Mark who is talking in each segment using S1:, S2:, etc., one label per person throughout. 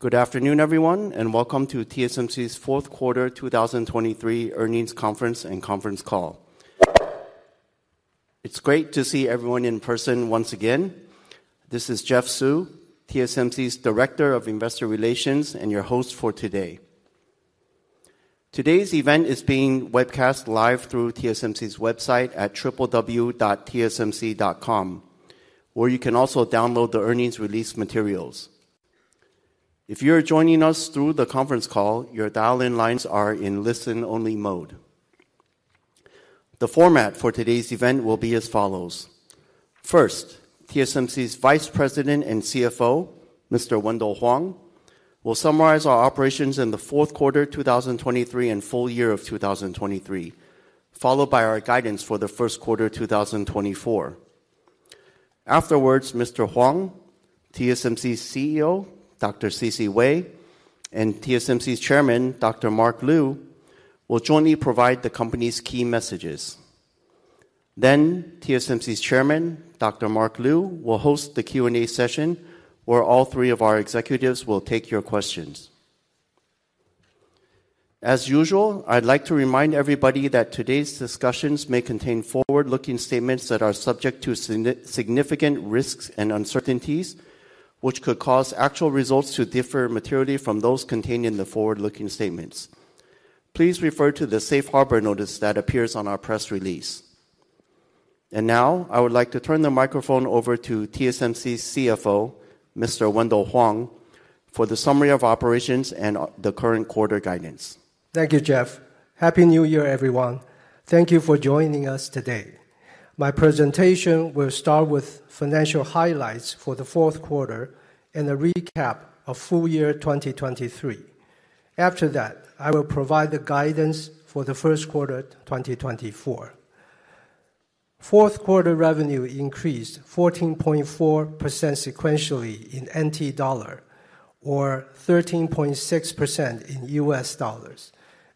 S1: Good afternoon, everyone, and welcome to TSMC's fourth quarter 2023 earnings conference and conference call. It's great to see everyone in person once again. This is Jeff Su, TSMC's Director of Investor Relations, and your host for today. Today's event is being webcast live through TSMC's website at www.tsmc.com, where you can also download the earnings release materials. If you're joining us through the conference call, your dial-in lines are in listen-only mode. The format for today's event will be as follows: First, TSMC's Vice President and CFO, Mr. Wendell Huang, will summarize our operations in the fourth quarter 2023 and full year of 2023, followed by our guidance for the first quarter 2024. Afterwards, Mr. Huang, TSMC's CEO, Dr. C.C. Wei, and TSMC's Chairman, Dr. Mark Liu, will jointly provide the company's key messages. Then TSMC's Chairman, Dr. Mark Liu, will host the Q&A session, where all three of our executives will take your questions. As usual, I'd like to remind everybody that today's discussions may contain forward-looking statements that are subject to significant risks and uncertainties, which could cause actual results to differ materially from those contained in the forward-looking statements. Please refer to the Safe Harbor notice that appears on our press release. And now, I would like to turn the microphone over to TSMC's CFO, Mr. Wendell Huang, for the summary of operations and the current quarter guidance.
S2: Thank you, Jeff. Happy New Year, everyone. Thank you for joining us today. My presentation will start with financial highlights for the fourth quarter and a recap of full year 2023. After that, I will provide the guidance for the first quarter, 2024. Fourth quarter revenue increased 14.4% sequentially in NT dollar or 13.6% in US dollar,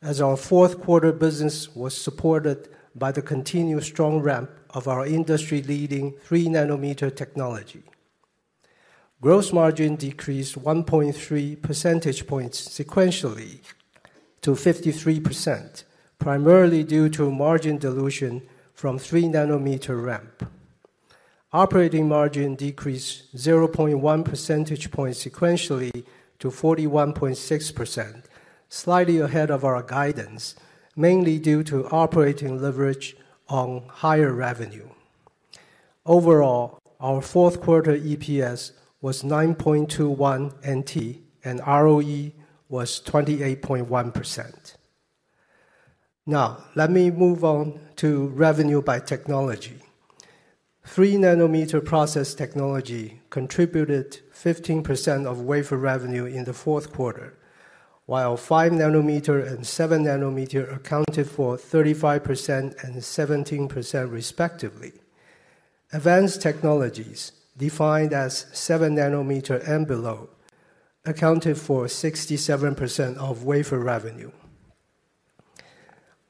S2: as our fourth quarter business was supported by the continued strong ramp of our industry-leading 3nm technology. Gross margin decreased 1.3 percentage points sequentially to 53%, primarily due to margin dilution from 3nm ramp. Operating margin decreased 0.1 percentage points sequentially to 41.6%, slightly ahead of our guidance, mainly due to operating leverage on higher revenue. Overall, our fourth quarter EPS was 9.21 NT, and ROE was 28.1%. Now, let me move on to revenue by technology. 3nm process technology contributed 15% of wafer revenue in the fourth quarter, while 5nm and 7nm accounted for 35% and 17%, respectively. Advanced technologies, defined as 7nm and below, accounted for 67% of wafer revenue.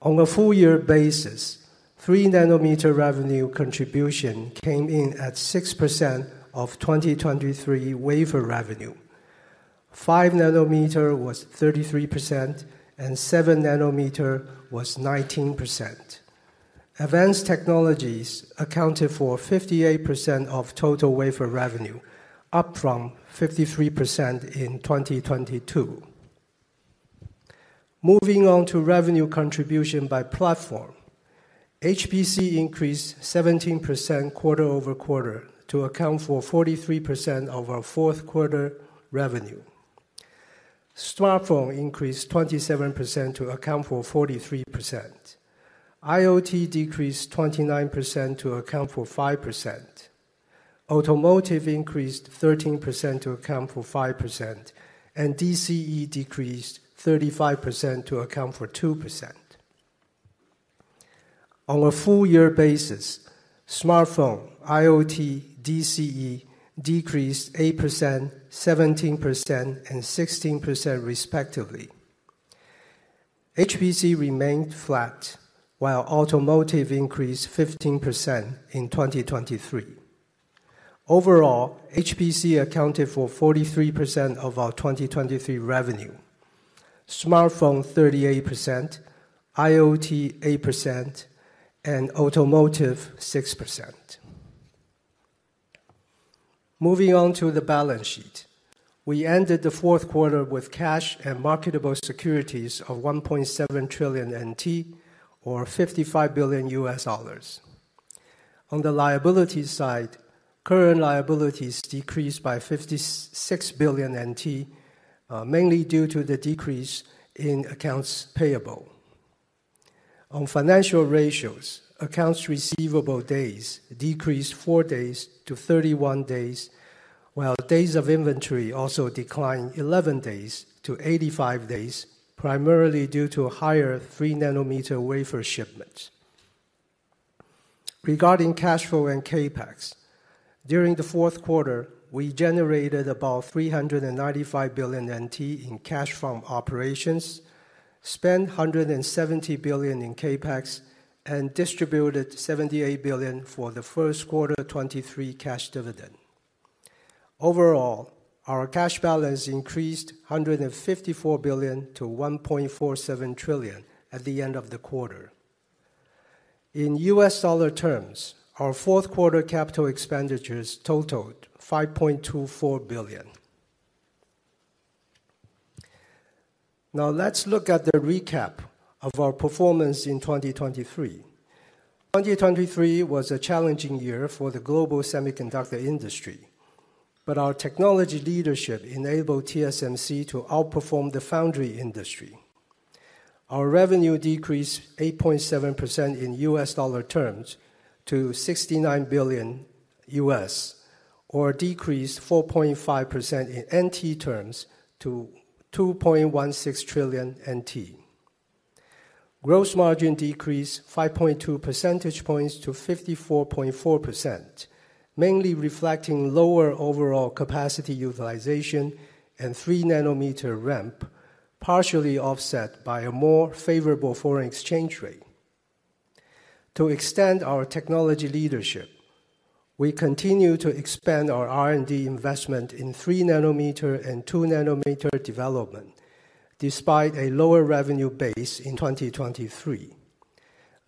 S2: On a full year basis, 3nm revenue contribution came in at 6% of 2023 wafer revenue. 5nm was 33%, and 7nm was 19%. Advanced technologies accounted for 58% of total wafer revenue, up from 53% in 2022. Moving on to revenue contribution by platform. HPC increased 17% quarter-over-quarter to account for 43% of our fourth quarter revenue. Smartphone increased 27% to account for 43%. IoT decreased 29% to account for 5%. Automotive increased 13% to account for 5%, and DCE decreased 35% to account for 2%. On a full year basis, smartphone, IoT, DCE decreased 8%, 17%, and 16%, respectively. HPC remained flat, while automotive increased 15% in 2023. Overall, HPC accounted for 43% of our 2023 revenue, smartphone 38%, IoT 8%, and automotive 6%. Moving on to the balance sheet. We ended the fourth quarter with cash and marketable securities of 1.7 trillion NT, or $55 billion. On the liability side, current liabilities decreased by 56 billion NT, mainly due to the decrease in accounts payable. On financial ratios, accounts receivable days decreased four days to 31 days, while days of inventory also declined 11 days to 85 days, primarily due to a higher 3nm wafer shipments. Regarding cash flow and CapEx, during the fourth quarter, we generated about 395 billion NT in cash from operations, spent 170 billion in CapEx and distributed 78 billion for the first quarter 2023 cash dividend. Overall, our cash balance increased 154 billion to 1.47 trillion at the end of the quarter. In US dollar terms, our fourth quarter capital expenditures totaled $5.24 billion. Now, let's look at the recap of our performance in 2023. 2023 was a challenging year for the global semiconductor industry, but our technology leadership enabled TSMC to outperform the foundry industry. Our revenue decreased 8.7% in US dollar terms to $69 billion, or decreased 4.5% in NT terms to 2.16 trillion NT. Gross margin decreased 5.2 percentage points to 54.4%, mainly reflecting lower overall capacity utilization and 3nm ramp, partially offset by a more favorable foreign exchange rate. To extend our technology leadership, we continue to expand our R&D investment in 3nm and 2nm development, despite a lower revenue base in 2023.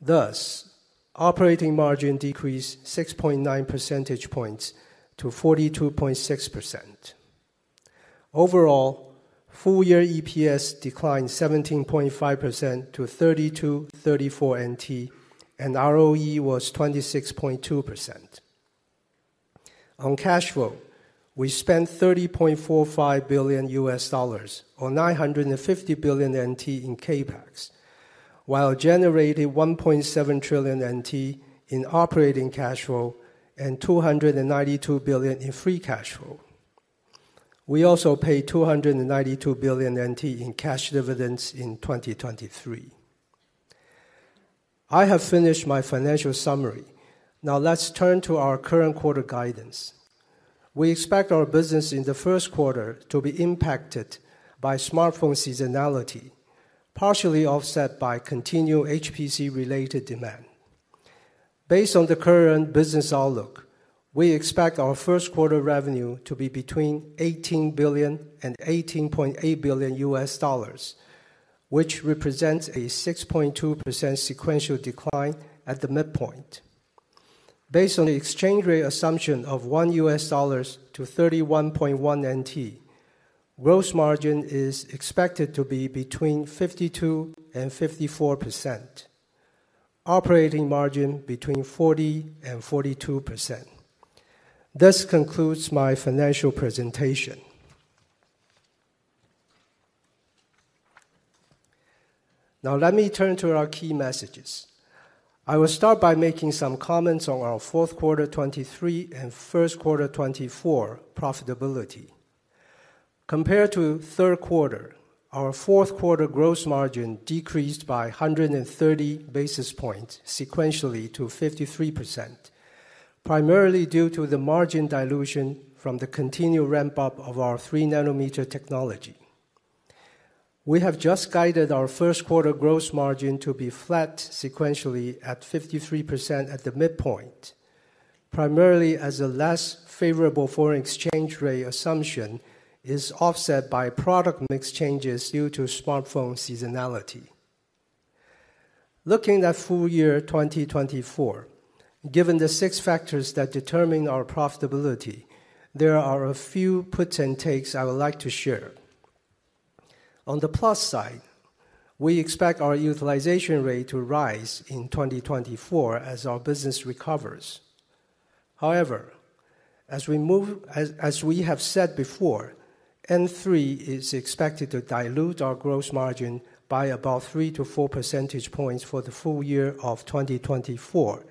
S2: Thus, operating margin decreased 6.9 percentage points to 42.6%. Overall, full year EPS declined 17.5% to 32.34 NT, and ROE was 26.2%. On cash flow, we spent $30.45 billion or 950 billion NT in CapEx, while generating 1.7 trillion NT in operating cash flow and 292 billion in free cash flow. We also paid 292 billion NT in cash dividends in 2023. I have finished my financial summary. Now let's turn to our current quarter guidance. We expect our business in the first quarter to be impacted by smartphone seasonality, partially offset by continued HPC-related demand. Based on the current business outlook, we expect our first quarter revenue to be between $18 billion and $18.8 billion, which represents a 6.2% sequential decline at the midpoint. Based on the exchange rate assumption of one US dollar to 31.1 NT, gross margin is expected to be between 52% and 54%, operating margin between 40% and 42%. This concludes my financial presentation. Now, let me turn to our key messages. I will start by making some comments on our fourth quarter 2023 and first quarter 2024 profitability. Compared to third quarter, our fourth quarter gross margin decreased by 130 basis points sequentially to 53%, primarily due to the margin dilution from the continued ramp-up of our 3nm technology. We have just guided our first quarter gross margin to be flat sequentially at 53% at the midpoint, primarily as a less favorable foreign exchange rate assumption is offset by product mix changes due to smartphone seasonality. Looking at full year 2024, given the six factors that determine our profitability, there are a few puts and takes I would like to share. On the plus side, we expect our utilization rate to rise in 2024 as our business recovers. However, as we have said before, N3 is expected to dilute our gross margin by about three to four percentage points for the full year of 2024,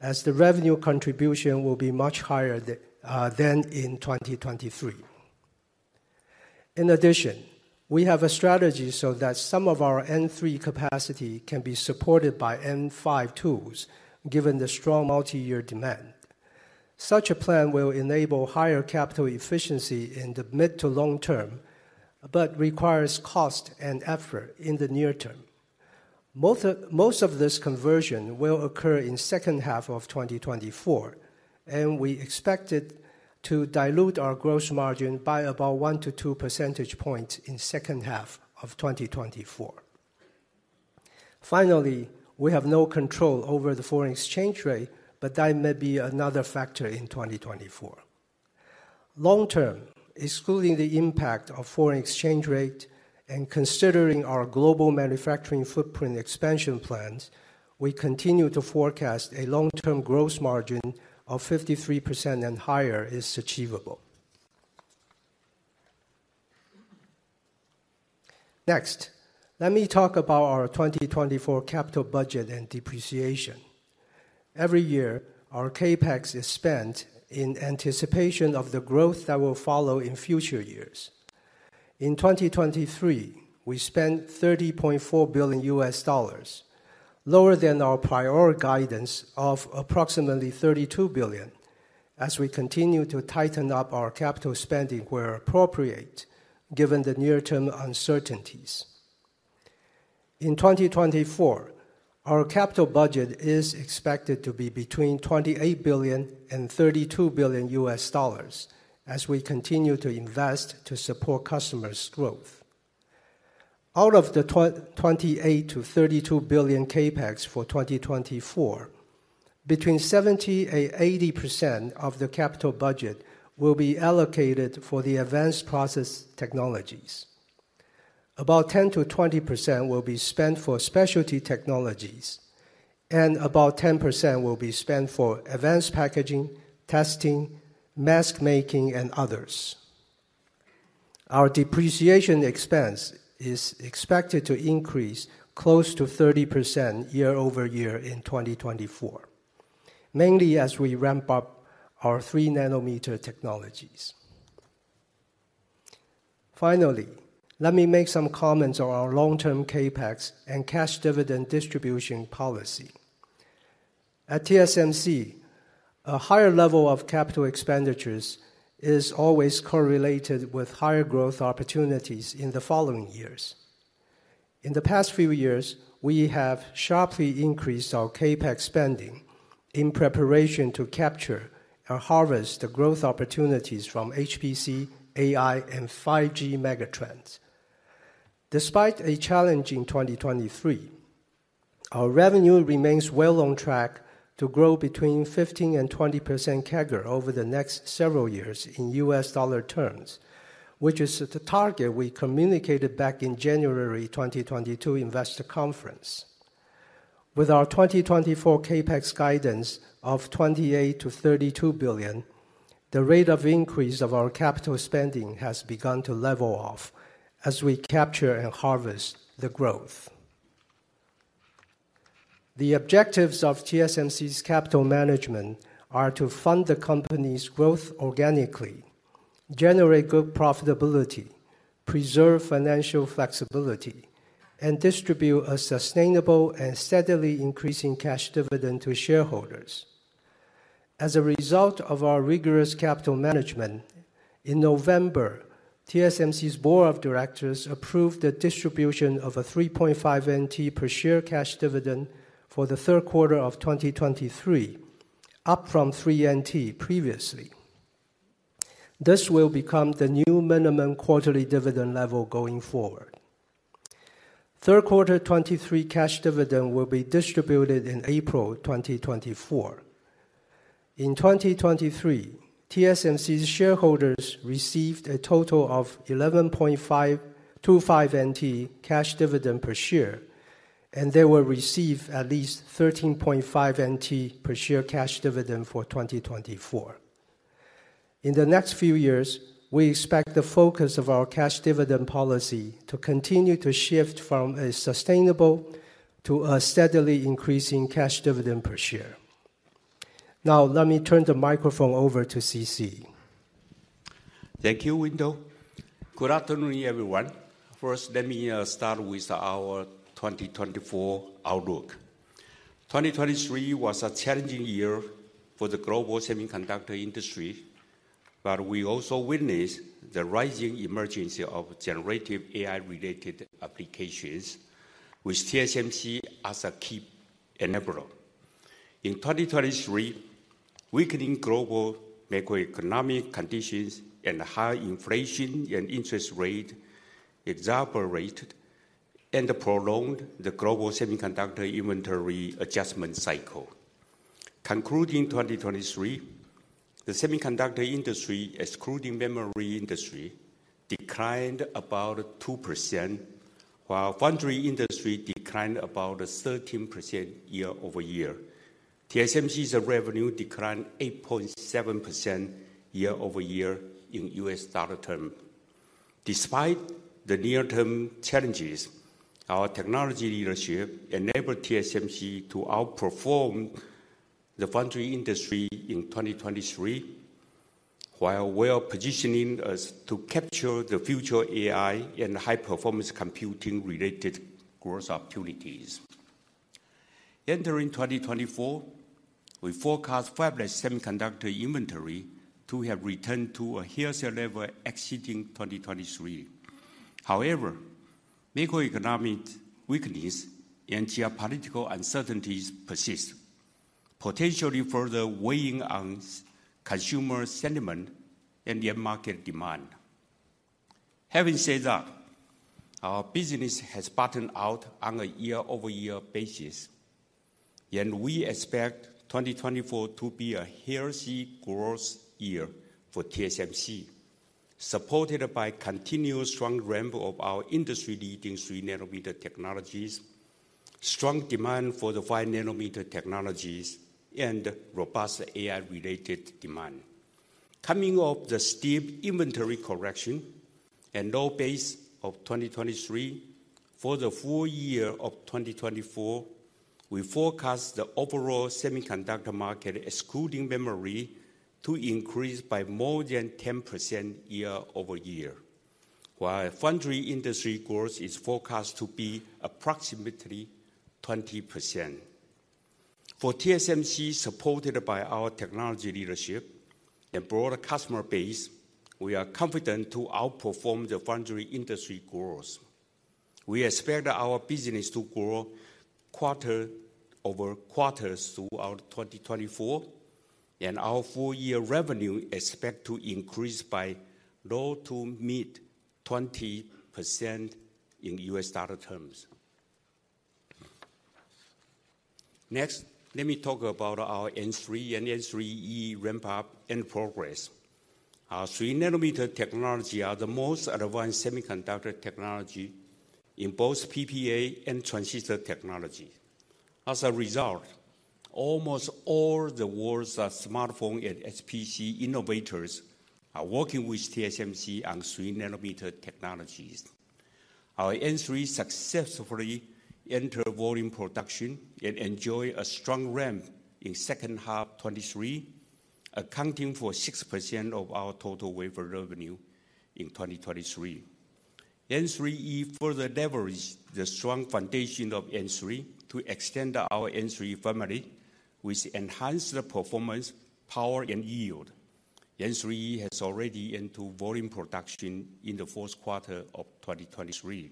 S2: as the revenue contribution will be much higher than in 2023. In addition, we have a strategy so that some of our N3 capacity can be supported by N5 tools, given the strong multi-year demand. Such a plan will enable higher capital efficiency in the mid to long term, but requires cost and effort in the near term. Most of this conversion will occur in second half of 2024, and we expect it to dilute our gross margin by about one to two percentage points in second half of 2024. Finally, we have no control over the foreign exchange rate, but that may be another factor in 2024. Long term, excluding the impact of foreign exchange rate and considering our global manufacturing footprint expansion plans, we continue to forecast a long-term gross margin of 53% and higher is achievable. Next, let me talk about our 2024 capital budget and depreciation. Every year, our CapEx is spent in anticipation of the growth that will follow in future years. In 2023, we spent $30.4 billion, lower than our prior guidance of approximately $32 billion... as we continue to tighten up our capital spending where appropriate, given the near-term uncertainties. In 2024, our capital budget is expected to be between $28 billion and $32 billion as we continue to invest to support customers' growth. Out of the $28 billion-$32 billion CapEx for 2024, between 70% and 80% of the capital budget will be allocated for the advanced process technologies. About 10%-20% will be spent for specialty technologies, and about 10% will be spent for advanced packaging, testing, mask making, and others. Our depreciation expense is expected to increase close to 30% year-over-year in 2024, mainly as we ramp up our 3nm technologies. Finally, let me make some comments on our long-term CapEx and cash dividend distribution policy. At TSMC, a higher level of capital expenditures is always correlated with higher growth opportunities in the following years. In the past few years, we have sharply increased our CapEx spending in preparation to capture and harvest the growth opportunities from HPC, AI, and 5G megatrends. Despite a challenging 2023, our revenue remains well on track to grow between 15% and 20% CAGR over the next several years in US dollar terms, which is the target we communicated back in January 2022 investor conference. With our 2024 CapEx guidance of $28 billion-$32 billion, the rate of increase of our capital spending has begun to level off as we capture and harvest the growth. The objectives of TSMC's capital management are to fund the company's growth organically, generate good profitability, preserve financial flexibility, and distribute a sustainable and steadily increasing cash dividend to shareholders. As a result of our rigorous capital management, in November, TSMC's Board of Directors approved the distribution of a 3.5 NT per share cash dividend for the third quarter of 2023, up from 3 NT previously. This will become the new minimum quarterly dividend level going forward. Third quarter 2023 cash dividend will be distributed in April 2024. In 2023, TSMC's shareholders received a total of 11.525 NT cash dividend per share, and they will receive at least 13.5 NT per share cash dividend for 2024. In the next few years, we expect the focus of our cash dividend policy to continue to shift from a sustainable to a steadily increasing cash dividend per share. Now, let me turn the microphone over to C.C.
S3: Thank you, Wendell. Good afternoon, everyone. First, let me start with our 2024 outlook. 2023 was a challenging year for the global semiconductor industry, but we also witnessed the rising emergence of generative AI-related applications, with TSMC as a key enabler. In 2023, weakening global macroeconomic conditions and high inflation and interest rate exacerbated and prolonged the global semiconductor inventory adjustment cycle. Concluding 2023, the semiconductor industry, excluding memory industry, declined about 2%, while foundry industry declined about 13% year-over-year. TSMC's revenue declined 8.7% year-over-year in US dollar term. Despite the near-term challenges, our technology leadership enabled TSMC to outperform the foundry industry in 2023, while well-positioning us to capture the future AI and high-performance computing-related growth opportunities. Entering 2024, we forecast fabless semiconductor inventory to have returned to a healthier level exceeding 2023. However, macroeconomic weakness and geopolitical uncertainties persist, potentially further weighing on consumer sentiment and end market demand. Having said that, our business has bottomed out on a year-over-year basis, and we expect 2024 to be a healthy growth year for TSMC, supported by continuous strong ramp of our industry-leading 3nm technologies, strong demand for the 5nm technologies, and robust AI-related demand. Coming off the steep inventory correction and low base of 2023, for the full year of 2024, we forecast the overall semiconductor market, excluding memory, to increase by more than 10% year-over-year, while foundry industry growth is forecast to be approximately 20%. For TSMC, supported by our technology leadership and broader customer base, we are confident to outperform the foundry industry growth. We expect our business to grow quarter-over-quarter throughout 2024, and our full year revenue expect to increase by low-to-mid 20% in US dollar terms. Next, let me talk about our N3 and N3E ramp-up and progress. Our 3nm technology are the most advanced semiconductor technology in both PPA and transistor technology. As a result, almost all the world's smartphone and HPC innovators are working with TSMC on 3nm technologies. Our N3 successfully entered volume production and enjoy a strong ramp in second half 2023, accounting for 6% of our total wafer revenue in 2023. N3E further leveraged the strong foundation of N3 to extend our N3 family, which enhanced the performance, power, and yield. N3E has already entered volume production in the fourth quarter of 2023.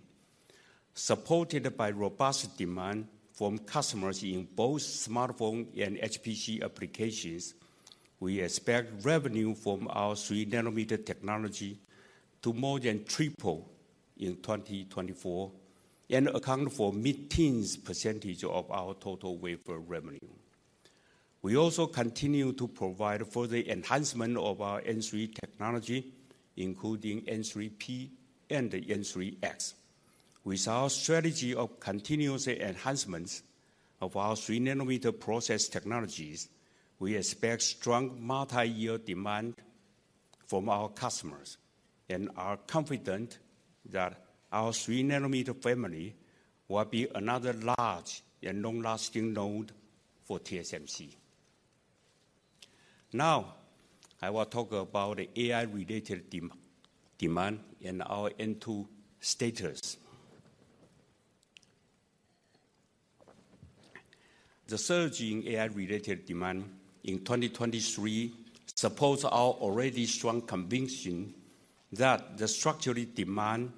S3: Supported by robust demand from customers in both smartphone and HPC applications, we expect revenue from our 3nm technology to more than triple in 2024 and account for mid-teens percentage of our total wafer revenue. We also continue to provide further enhancement of our N3 technology, including N3P and N3X. With our strategy of continuous enhancements of our 3nm process technologies, we expect strong multi-year demand from our customers and are confident that our 3nm family will be another large and long-lasting node for TSMC. Now, I will talk about the AI-related demand and our N2 status. The surge in AI-related demand in 2023 supports our already strong conviction that the structural demand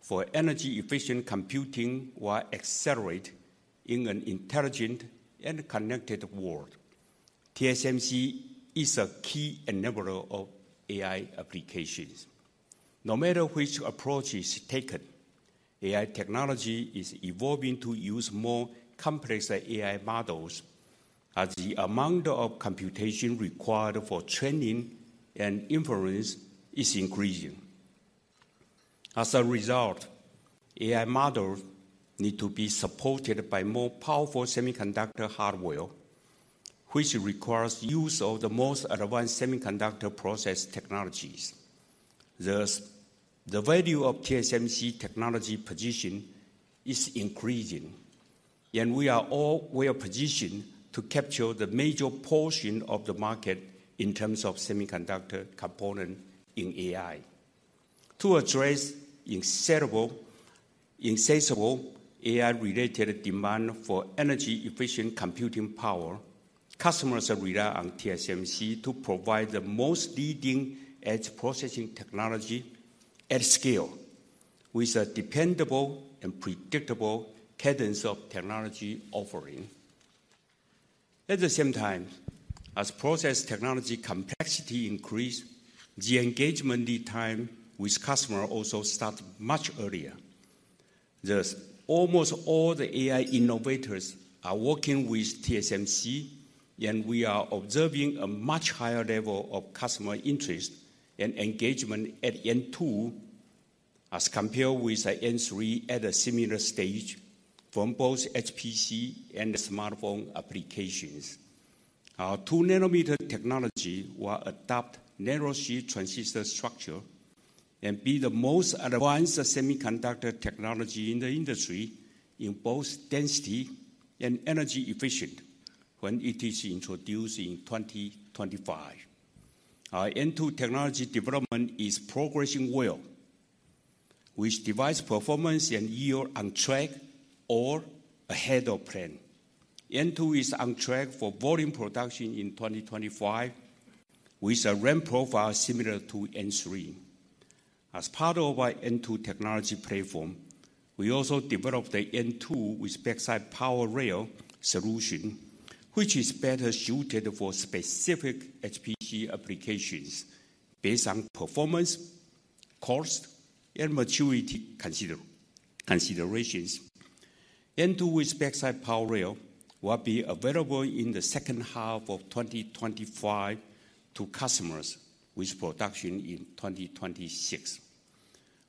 S3: for energy-efficient computing will accelerate in an intelligent and connected world. TSMC is a key enabler of AI applications. No matter which approach is taken, AI technology is evolving to use more complex AI models, as the amount of computation required for training and inference is increasing. As a result, AI models need to be supported by more powerful semiconductor hardware, which requires use of the most advanced semiconductor process technologies. Thus, the value of TSMC technology position is increasing, and we are all well-positioned to capture the major portion of the market in terms of semiconductor component in AI. To address insatiable AI-related demand for energy-efficient computing power, customers rely on TSMC to provide the most leading-edge processing technology at scale, with a dependable and predictable cadence of technology offering. At the same time, as process technology complexity increase, the engagement lead time with customer also start much earlier. Thus, almost all the AI innovators are working with TSMC, and we are observing a much higher level of customer interest and engagement at N2 as compared with N3 at a similar stage from both HPC and smartphone applications. Our 2nm technology will adopt nanosheet transistor structure and be the most advanced semiconductor technology in the industry in both density and energy efficiency when it is introduced in 2025. Our N2 technology development is progressing well, with device performance and yield on track or ahead of plan. N2 is on track for volume production in 2025, with a ramp profile similar to N3. As part of our N2 technology platform, we also developed the N2 with backside power rail solution, which is better suited for specific HPC applications based on performance, cost, and maturity considerations. N2 with backside power rail will be available in the second half of 2025 to customers, with production in 2026.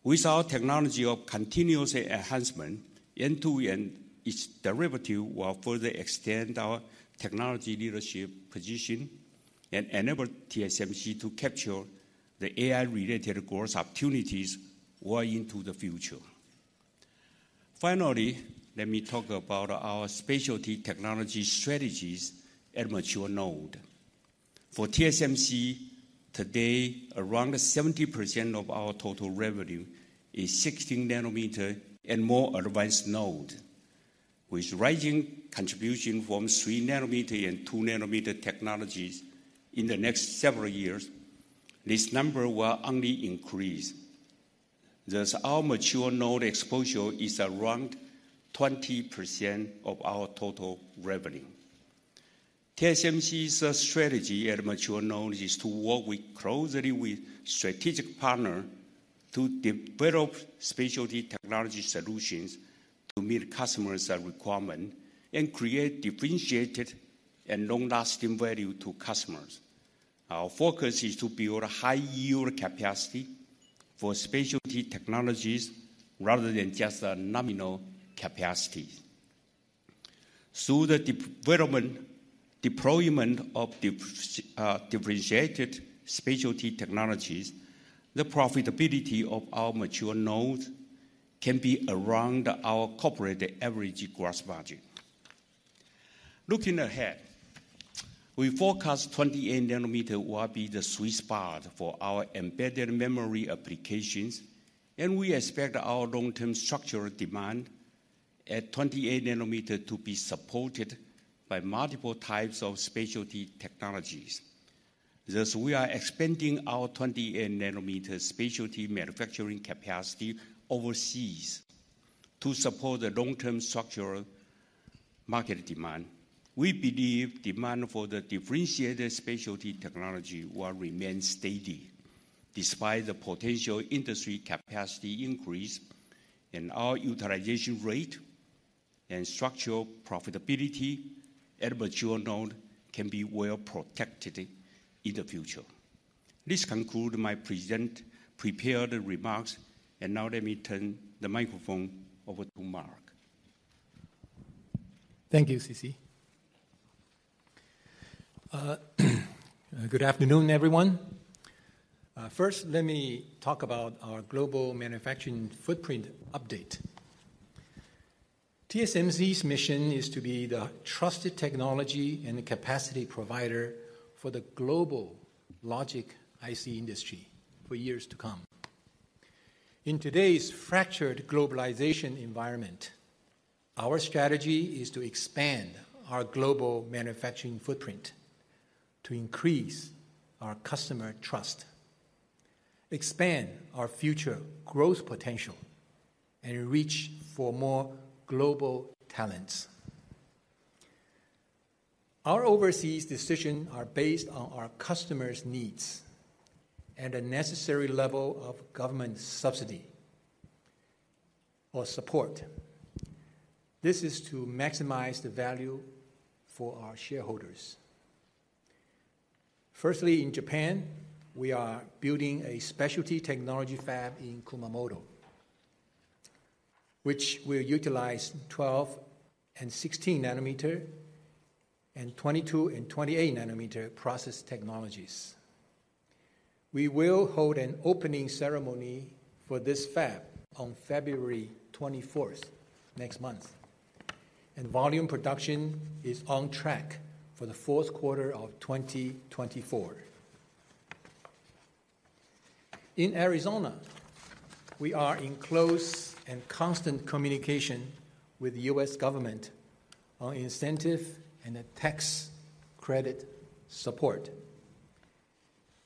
S3: With our technology of continuous enhancement, N2 and its derivative will further extend our technology leadership position and enable TSMC to capture the AI-related growth opportunities well into the future. Finally, let me talk about our specialty technology strategies at mature node. For TSMC, today, around 70% of our total revenue is 16nm and more advanced node. With rising contribution from 3nm and 2nm technologies in the next several years, this number will only increase. Thus, our mature node exposure is around 20% of our total revenue. TSMC's strategy at mature node is to work with closely with strategic partner to develop specialty technology solutions to meet customers' requirement and create differentiated and long-lasting value to customers. Our focus is to build high yield capacity for specialty technologies rather than just a nominal capacity. Through the development, deployment of differentiated specialty technologies, the profitability of our mature node can be around our corporate average gross margin. Looking ahead, we forecast 28nm will be the sweet spot for our embedded memory applications, and we expect our long-term structural demand at 28nm to be supported by multiple types of specialty technologies. Thus, we are expanding our 28nm specialty manufacturing capacity overseas to support the long-term structural market demand. We believe demand for the differentiated specialty technology will remain steady despite the potential industry capacity increase, and our utilization rate and structural profitability at mature node can be well protected in the future. This concludes my prepared remarks, and now let me turn the microphone over to Mark.
S4: Thank you, C.C. Good afternoon, everyone. First, let me talk about our global manufacturing footprint update. TSMC's mission is to be the trusted technology and capacity provider for the global logic IC industry for years to come. In today's fractured globalization environment, our strategy is to expand our global manufacturing footprint to increase our customer trust, expand our future growth potential, and reach for more global talents. Our overseas decisions are based on our customers' needs and a necessary level of government subsidy or support. This is to maximize the value for our shareholders. Firstly, in Japan, we are building a specialty technology fab in Kumamoto, which will utilize 12nm and 16nm and 22nm and 28nm process technologies. We will hold an opening ceremony for this fab on February 24th, next month, and volume production is on track for the fourth quarter of 2024. In Arizona, we are in close and constant communication with the U.S. government on incentive and tax credit support,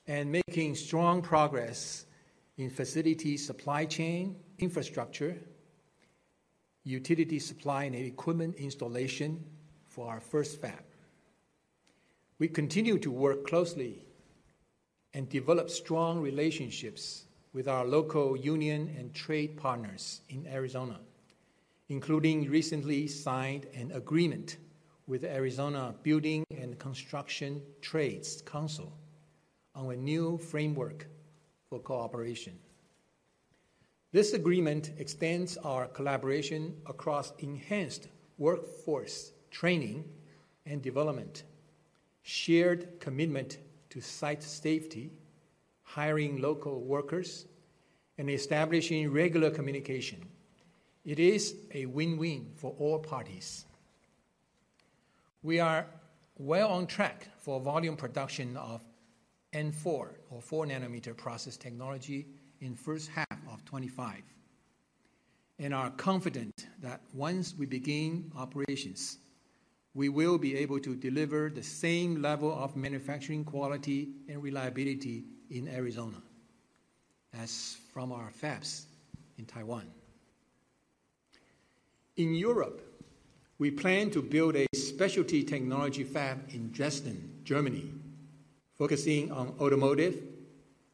S4: and making strong progress in facility supply chain, infrastructure, utility supply, and equipment installation for our first fab. We continue to work closely and develop strong relationships with our local union and trade partners in Arizona, including recently signed an agreement with Arizona Building and Construction Trades Council on a new framework for cooperation. This agreement expands our collaboration across enhanced workforce training and development, shared commitment to site safety, hiring local workers, and establishing regular communication. It is a win-win for all parties. We are well on track for volume production of N4 or 4nm process technology in first half of 2025, and are confident that once we begin operations, we will be able to deliver the same level of manufacturing quality and reliability in Arizona as from our fabs in Taiwan. In Europe, we plan to build a specialty technology fab in Dresden, Germany, focusing on automotive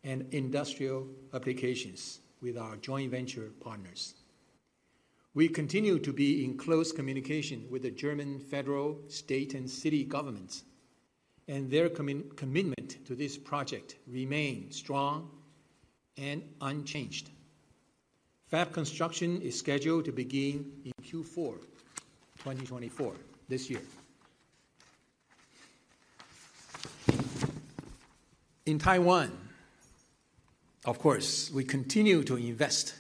S4: and industrial applications with our joint venture partners. We continue to be in close communication with the German federal, state, and city governments, and their commitment to this project remains strong and unchanged. Fab construction is scheduled to begin in Q4 2024, this year. In Taiwan, of course, we continue to invest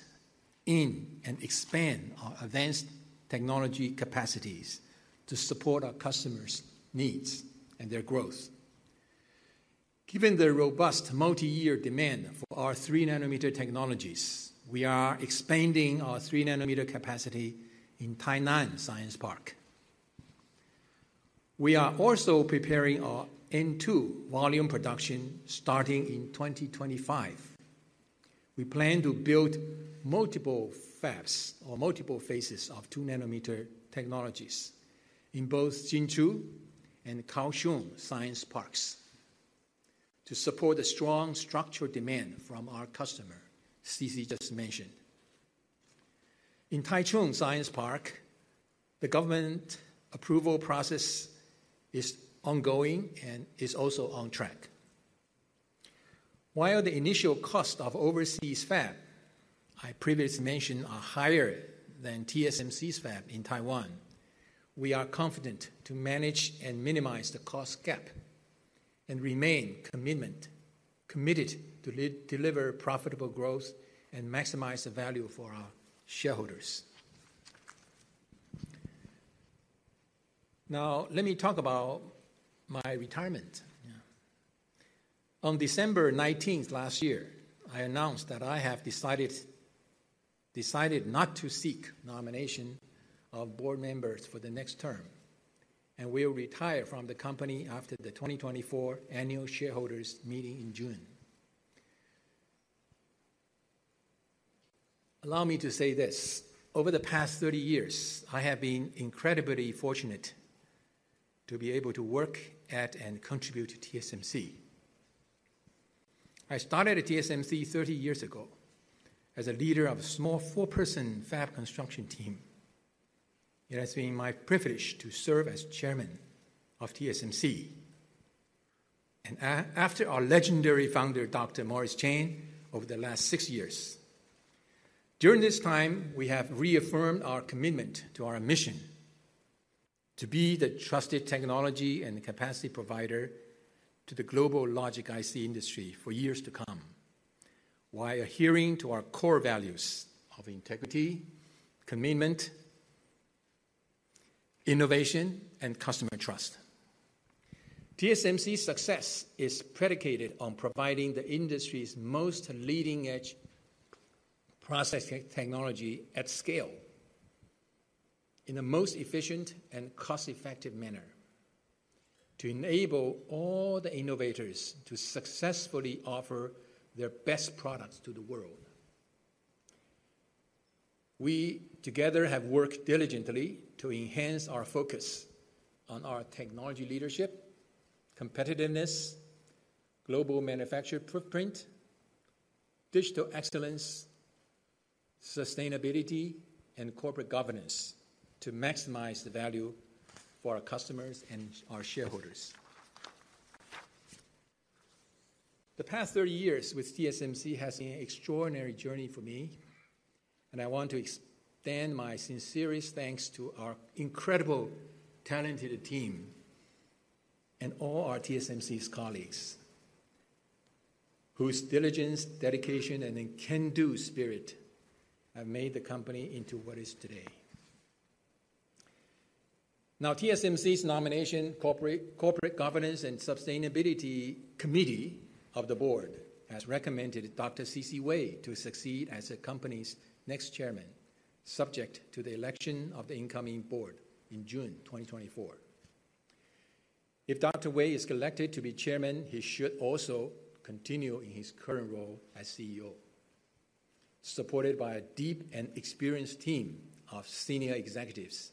S4: in and expand our advanced technology capacities to support our customers' needs and their growth. Given the robust multi-year demand for our 3nm technologies, we are expanding our 3nm capacity in Tainan Science Park. We are also preparing our N2 volume production starting in 2025. We plan to build multiple fabs or multiple phases of 2nm technologies in both Hsinchu and Kaohsiung Science Parks to support the strong structural demand from our customer, C.C. just mentioned. In Taichung Science Park, the government approval process is ongoing and is also on track. While the initial cost of overseas fab, I previously mentioned, are higher than TSMC's fab in Taiwan, we are confident to manage and minimize the cost gap and remain committed to deliver profitable growth and maximize the value for our shareholders. Now, let me talk about my retirement. Yeah. On December 19, last year, I announced that I have decided not to seek nomination of board members for the next term, and will retire from the company after the 2024 annual shareholders meeting in June. Allow me to say this: over the past 30 years, I have been incredibly fortunate to be able to work at and contribute to TSMC. I started at TSMC 30 years ago as a leader of a small four-person fab construction team. It has been my privilege to serve as chairman of TSMC, and after our legendary founder, Dr. Morris Chang, over the last 6 years. During this time, we have reaffirmed our commitment to our mission to be the trusted technology and capacity provider to the global logic IC industry for years to come, while adhering to our core values of integrity, commitment, innovation, and customer trust. TSMC's success is predicated on providing the industry's most leading-edge process technology at scale, in the most efficient and cost-effective manner, to enable all the innovators to successfully offer their best products to the world. We, together, have worked diligently to enhance our focus on our technology leadership, competitiveness, global manufacturing footprint, digital excellence, sustainability, and corporate governance to maximize the value for our customers and our shareholders. The past 30 years with TSMC has been an extraordinary journey for me, and I want to extend my sincerest thanks to our incredible talented team and all our TSMC's colleagues, whose diligence, dedication, and a can-do spirit have made the company into what is today. Now, TSMC's Nominating, Corporate Governance and Sustainability Committee of the Board has recommended Dr. C.C. Wei to succeed as the company's next chairman, subject to the election of the incoming board in June 2024. If Dr. Wei is elected to be chairman, he should also continue in his current role as CEO, supported by a deep and experienced team of senior executives,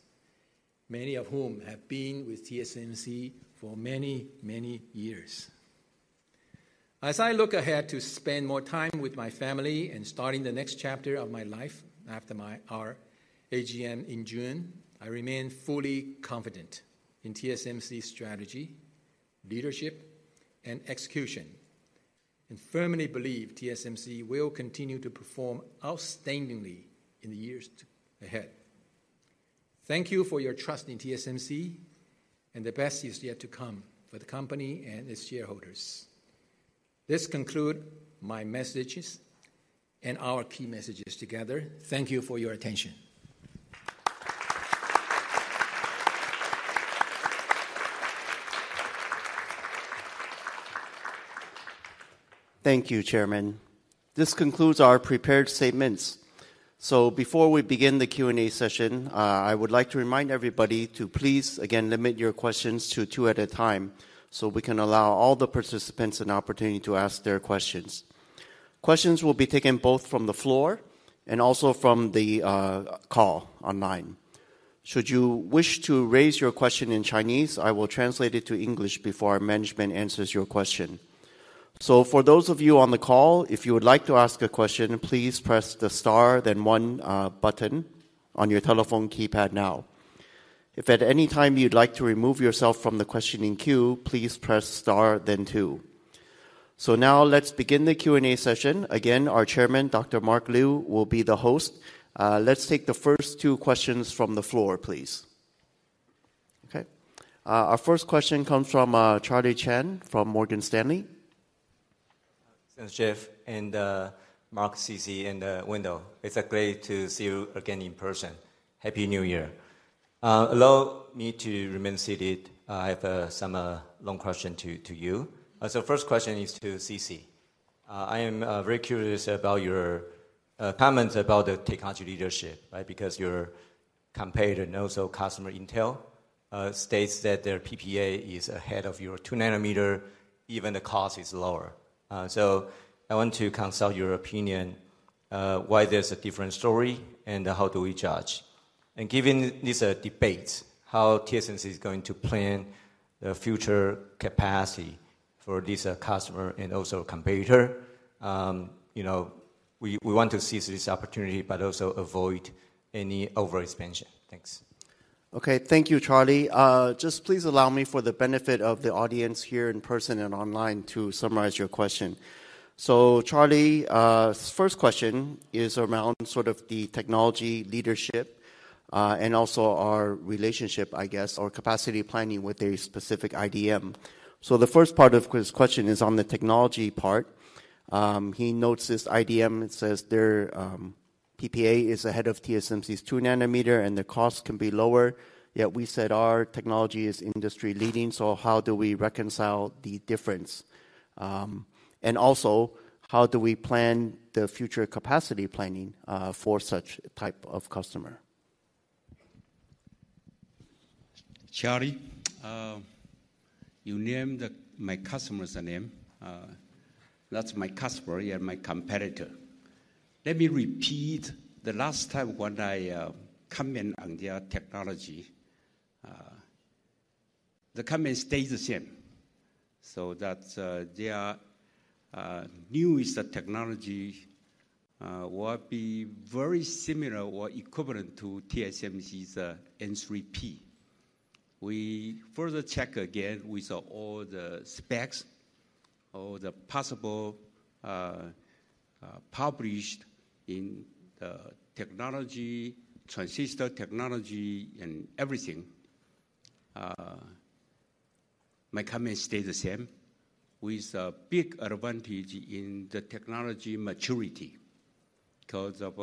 S4: many of whom have been with TSMC for many, many years. As I look ahead to spend more time with my family and starting the next chapter of my life after our AGM in June, I remain fully confident in TSMC's strategy, leadership, and execution, and firmly believe TSMC will continue to perform outstandingly in the years ahead. Thank you for your trust in TSMC, and the best is yet to come for the company and its shareholders. This concludes my messages and our key messages together. Thank you for your attention.
S1: Thank you, Chairman. This concludes our prepared statements. So before we begin the Q&A session, I would like to remind everybody to please, again, limit your questions to two at a time, so we can allow all the participants an opportunity to ask their questions. Questions will be taken both from the floor and also from the call online. Should you wish to raise your question in Chinese, I will translate it to English before our management answers your question. So for those of you on the call, if you would like to ask a question, please press the star, then one button on your telephone keypad now. If at any time you'd like to remove yourself from the questioning queue, please press star, then two. So now let's begin the Q&A session. Again, our chairman, Dr. Mark Liu, will be the host. Let's take the first two questions from the floor, please. Okay. Our first question comes from Charlie Chan from Morgan Stanley.
S5: Thanks, Jeff, and Mark, C.C., and Wendell. It's great to see you again in person. Happy New Year. Allow me to remain seated. I have some long question to you. So first question is to C.C. I am very curious about your comments about the technology leadership, right? Because your competitor, and also customer Intel, states that their PPA is ahead of your 2nm, even the cost is lower. So I want to consult your opinion why there's a different story, and how do we judge? And given this debate, how TSMC is going to plan the future capacity for this customer and also competitor, you know, we want to seize this opportunity but also avoid any overexpansion. Thanks.
S1: Okay, thank you, Charlie. Just please allow me, for the benefit of the audience here in person and online, to summarize your question. So Charlie, first question is around sort of the technology leadership, and also our relationship, I guess, or capacity planning with a specific IDM. So the first part of his question is on the technology part. He notes this IDM and says their PPA is ahead of TSMC's 2nm, and the cost can be lower, yet we said our technology is industry-leading. So how do we reconcile the difference? And also, how do we plan the future capacity planning for such type of customer?
S3: Charlie, you named my customer's name. That's my customer and my competitor. Let me repeat the last time when I comment on their technology. The comment stays the same, so that's their newest technology will be very similar or equivalent to TSMC's N3P. We further check again with all the specs, all the possible published in the technology, transistor technology and everything. My comment stay the same, with a big advantage in the technology maturity. Because of,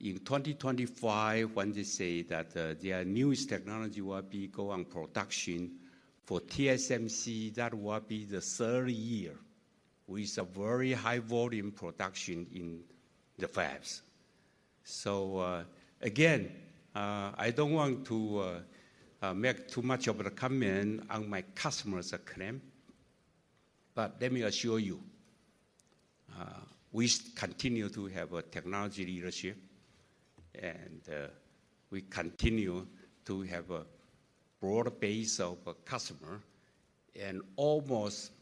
S3: in 2025, when they say that their newest technology will be go on production, for TSMC, that will be the third year with a very high volume production in the fabs. So, again, I don't want to make too much of a comment on my customer's claim, but let me assure you, we continue to have a technology leadership and, we continue to have a broad base of customer and almost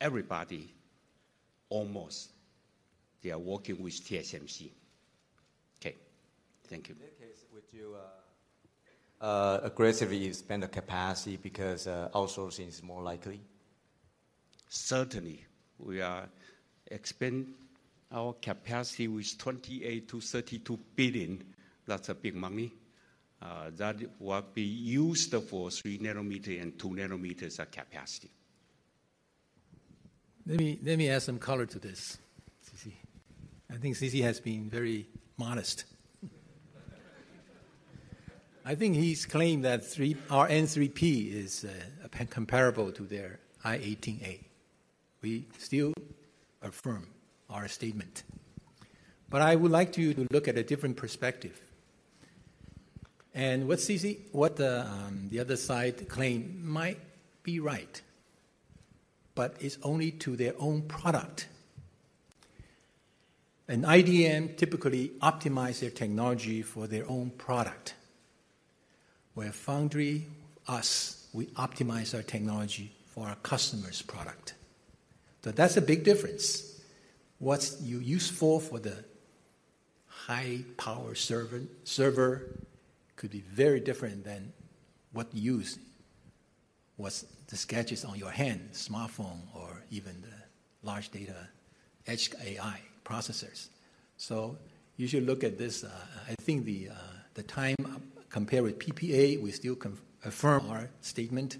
S3: everybody, almost, they are working with TSMC. Okay, thank you.
S5: In that case, would you aggressively spend the capacity because outsourcing is more likely?
S3: Certainly, we are expand our capacity with $28 billion-$32 billion. That's a big money. That will be used for 3nm and 2nm capacity.
S4: Let me add some color to this, C.C. I think C.C. has been very modest. I think he's claimed that 3... Our N3P is comparable to their 18A. We still affirm our statement. But I would like you to look at a different perspective. And what C.C., what the other side claim might be right, but it's only to their own product. An IDM typically optimize their technology for their own product, where foundry, us, we optimize our technology for our customer's product. So that's a big difference. What's useful for the high-power server, server could be very different than what use, what's the sketches on your hand, smartphone or even the large data edge AI processors. So you should look at this. I think the time, compare with PPA, we still confirm our statement,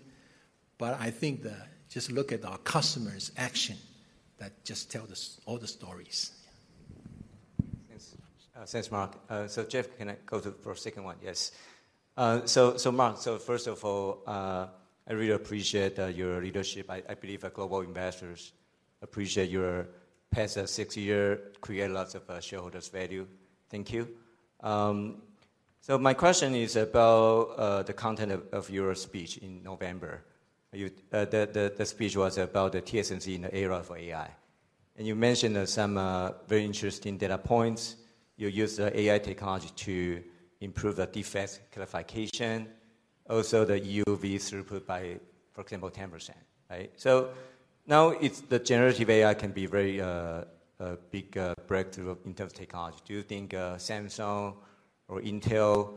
S4: but I think just look at our customers' action. That just tells all the stories.
S5: Thanks. Thanks, Mark. So Jeff, can I go to for a second one? Yes. So Mark, first of all, I really appreciate your leadership. I believe our global investors appreciate your past six-year create lots of shareholders value. Thank you. So my question is about the content of your speech in November. You, the speech was about the TSMC in the era for AI. And you mentioned some very interesting data points. You use the AI technology to improve the defect classification, also the EUV throughput by, for example, 10%, right? So now, it's the generative AI can be very a big breakthrough of Intel technology. Do you think Samsung or Intel,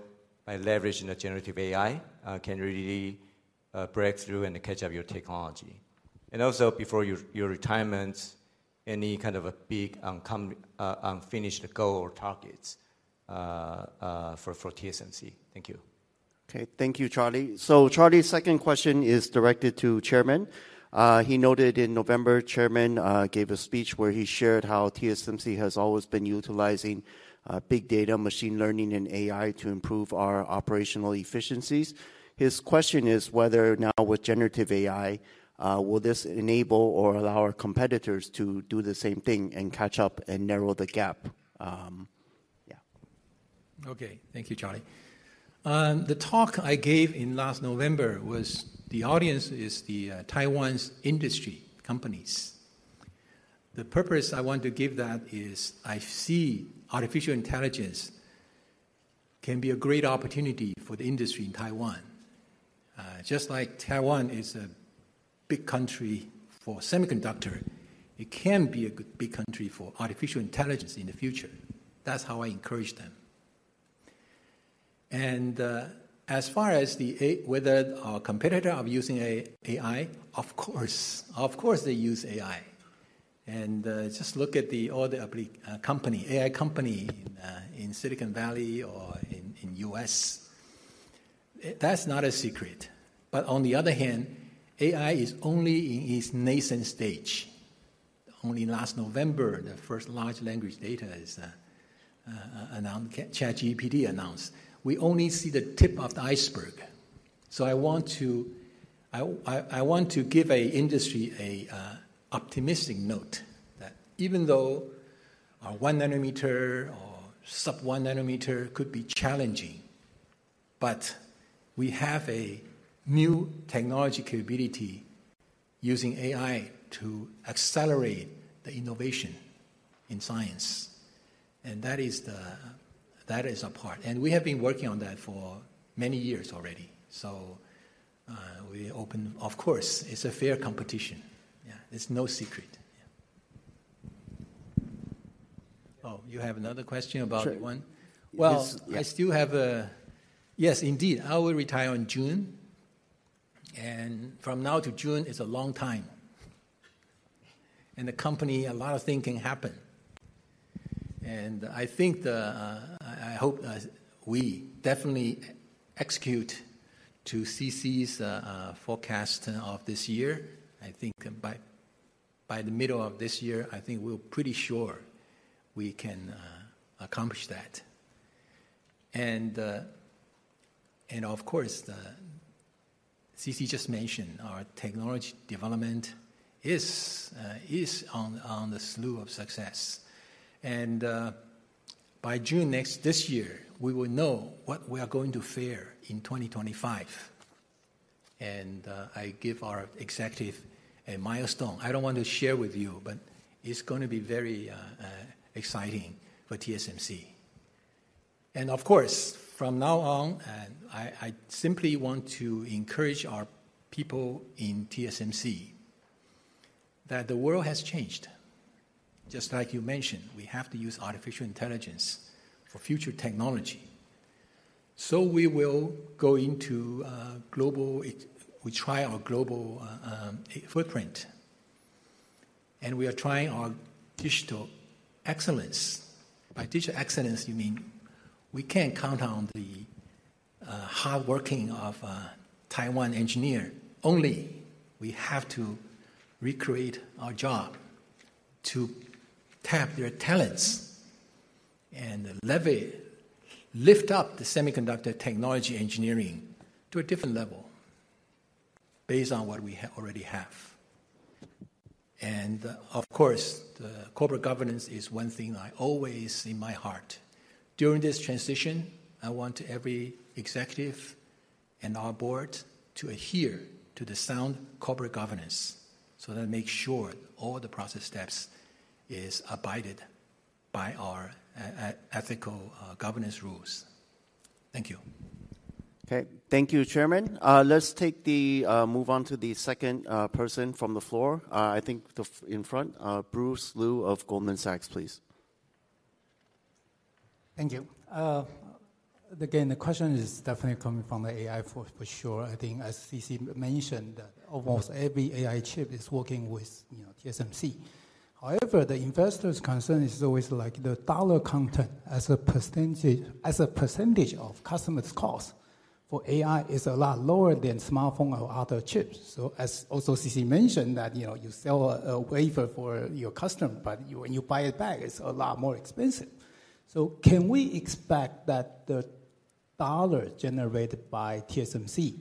S5: by leveraging the generative AI, can really-... breakthrough and catch up your technology? And also before your retirement, any kind of a big unfinished goal or targets, for TSMC? Thank you.
S1: Okay, thank you, Charlie. So Charlie's second question is directed to Chairman. He noted in November, Chairman gave a speech where he shared how TSMC has always been utilizing big data, machine learning, and AI to improve our operational efficiencies. His question is whether now with generative AI will this enable or allow our competitors to do the same thing and catch up and narrow the gap?
S4: Okay. Thank you, Charlie. The talk I gave in last November was the audience is the, Taiwan's industry companies. The purpose I want to give that is I see artificial intelligence can be a great opportunity for the industry in Taiwan. Just like Taiwan is a big country for semiconductor, it can be a good big country for artificial intelligence in the future. That's how I encourage them. And, as far as whether our competitor are using AI, of course, of course, they use AI. And, just look at all the company, AI company, in Silicon Valley or in U.S. That's not a secret. But on the other hand, AI is only in its nascent stage. Only last November, the first large language data is announced, ChatGPT announced. We only see the tip of the iceberg. So I want to give the industry an optimistic note, that even though our 1nm or sub-1 nanometer could be challenging, but we have a new technology capability using AI to accelerate the innovation in science, and that is a part. And we have been working on that for many years already. So, we open. Of course, it's a fair competition. Yeah, it's no secret. Yeah. Oh, you have another question about one?
S1: Sure.
S4: Well-
S1: Yes.
S4: Yes, indeed, I will retire in June, and from now to June is a long time. In the company, a lot of things can happen. I think I hope we definitely execute to C.C.'s forecast of this year. I think by the middle of this year, I think we're pretty sure we can accomplish that. And of course, C.C. just mentioned, our technology development is on the slew of success. By June this year, we will know what we are going to fare in 2025. I give our executives a milestone. I don't want to share with you, but it's gonna be very exciting for TSMC. Of course, from now on, I simply want to encourage our people in TSMC that the world has changed. Just like you mentioned, we have to use artificial intelligence for future technology. So we will go into global. We try our global footprint, and we are trying our digital excellence. By digital excellence, you mean we can't count on the hard working of Taiwan engineer only. We have to recreate our job to tap their talents and leverage lift up the semiconductor technology engineering to a different level based on what we already have. And of course, the corporate governance is one thing I always in my heart. During this transition, I want every executive and our board to adhere to the sound corporate governance, so that make sure all the process steps is abided by our ethical governance rules. Thank you.
S1: Okay. Thank you, Chairman. Let's move on to the second person from the floor. I think the one in front, Bruce Lu of Goldman Sachs, please.
S6: Thank you. Again, the question is definitely coming from the AI for sure. I think as C.C. mentioned, that almost every AI chip is working with, you know, TSMC. However, the investors' concern is always like the dollar content as a percentage, as a percentage of customers' cost for AI is a lot lower than smartphone or other chips. So as also C.C. mentioned, that, you know, you sell a wafer for your customer, but you, when you buy it back, it's a lot more expensive. So can we expect that the dollar generated by TSMC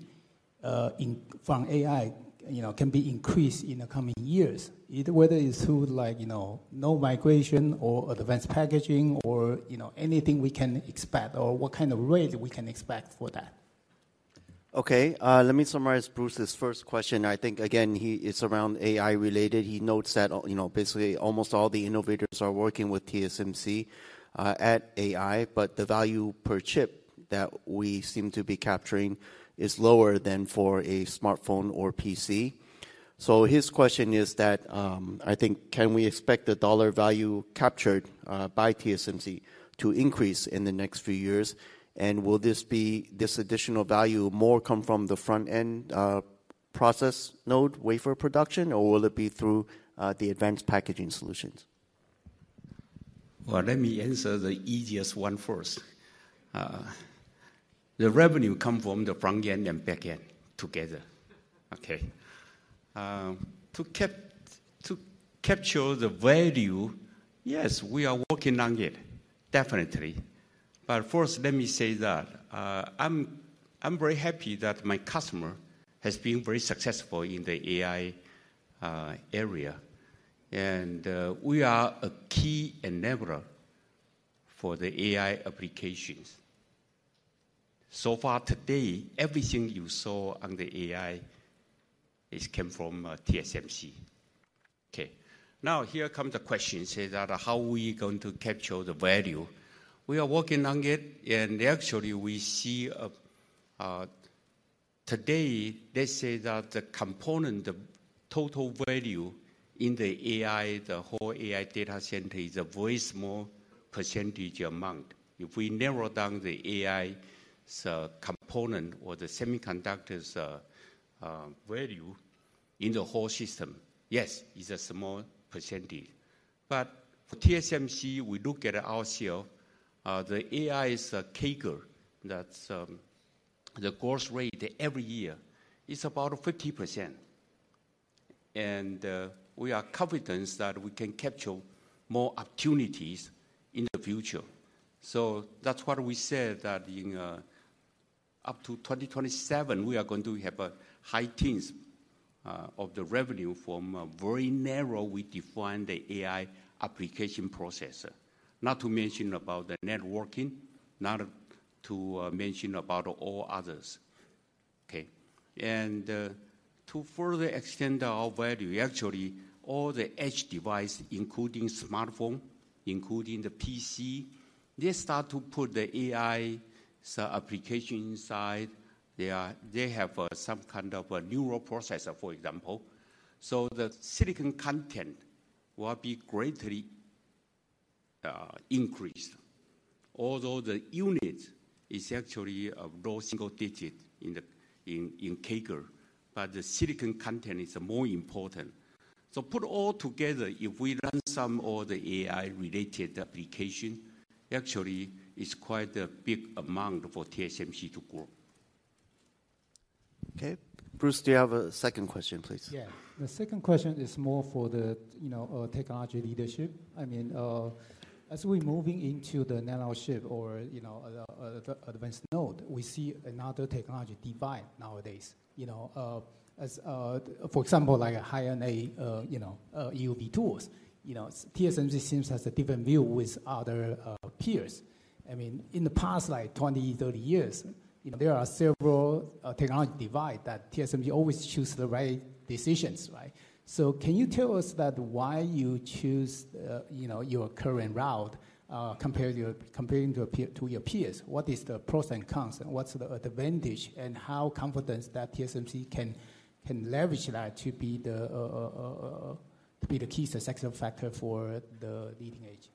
S6: from AI, you know, can be increased in the coming years? Either whether it's through like, you know, no migration or advanced packaging or, you know, anything we can expect, or what kind of rate we can expect for that?
S1: Okay, let me summarize Bruce's first question. I think, again, he... It's around AI-related. He notes that, you know, basically, almost all the innovators are working with TSMC at AI, but the value per chip that we seem to be capturing is lower than for a smartphone or PC. So his question is that, I think, can we expect the dollar value captured by TSMC to increase in the next few years? And will this be, this additional value, more come from the front end process node wafer production, or will it be through the advanced packaging solutions?
S3: Well, let me answer the easiest one first. The revenue come from the front end and back end together, okay? To capture the value, yes, we are working on it, definitely. But first, let me say that, I'm, I'm very happy that my customer has been very successful in the AI area, and we are a key enabler for the AI applications. So far today, everything you saw on the AI is came from TSMC. Okay. Now, here come the question, say that how we going to capture the value? We are working on it, and actually, we see a... Today, let's say that the component, the total value in the AI, the whole AI data center is a very small percentage amount. If we narrow down the AI's component or the semiconductors value in the whole system, yes, it's a small percentage. But for TSMC, we look at our sale the AI's CAGR, that's the growth rate every year is about 50%. And we are confident that we can capture more opportunities in the future. So that's why we said that in up to 2027, we are going to have a high teens of the revenue from a very narrow we define the AI application processor. Not to mention about the networking, not to mention about all others, okay? And to further extend our value, actually, all the edge device, including smartphone, including the PC, they start to put the AI's application inside. They have some kind of a neural processor, for example. So the silicon content will be greatly increased. Although the unit is actually low single digit in the CAGR, but the silicon content is more important. So put all together, if we run some of the AI-related application, actually, it's quite a big amount for TSMC to grow.
S1: Okay. Bruce, do you have a second question, please?
S6: Yeah. The second question is more for the, you know, technology leadership. I mean, as we're moving into the nanosheet or, you know, advanced node, we see another technology divide nowadays, you know. As, for example, like a high-NA, you know, EUV tools. You know, TSMC seems has a different view with other peers. I mean, in the past, like 20-30 years, you know, there are several technology divide that TSMC always choose the right decisions, right? So can you tell us that why you choose, you know, your current route, comparing to your peers? What is the pros and cons, and what's the advantage, and how confident that TSMC can leverage that to be the key success factor for the leading edge?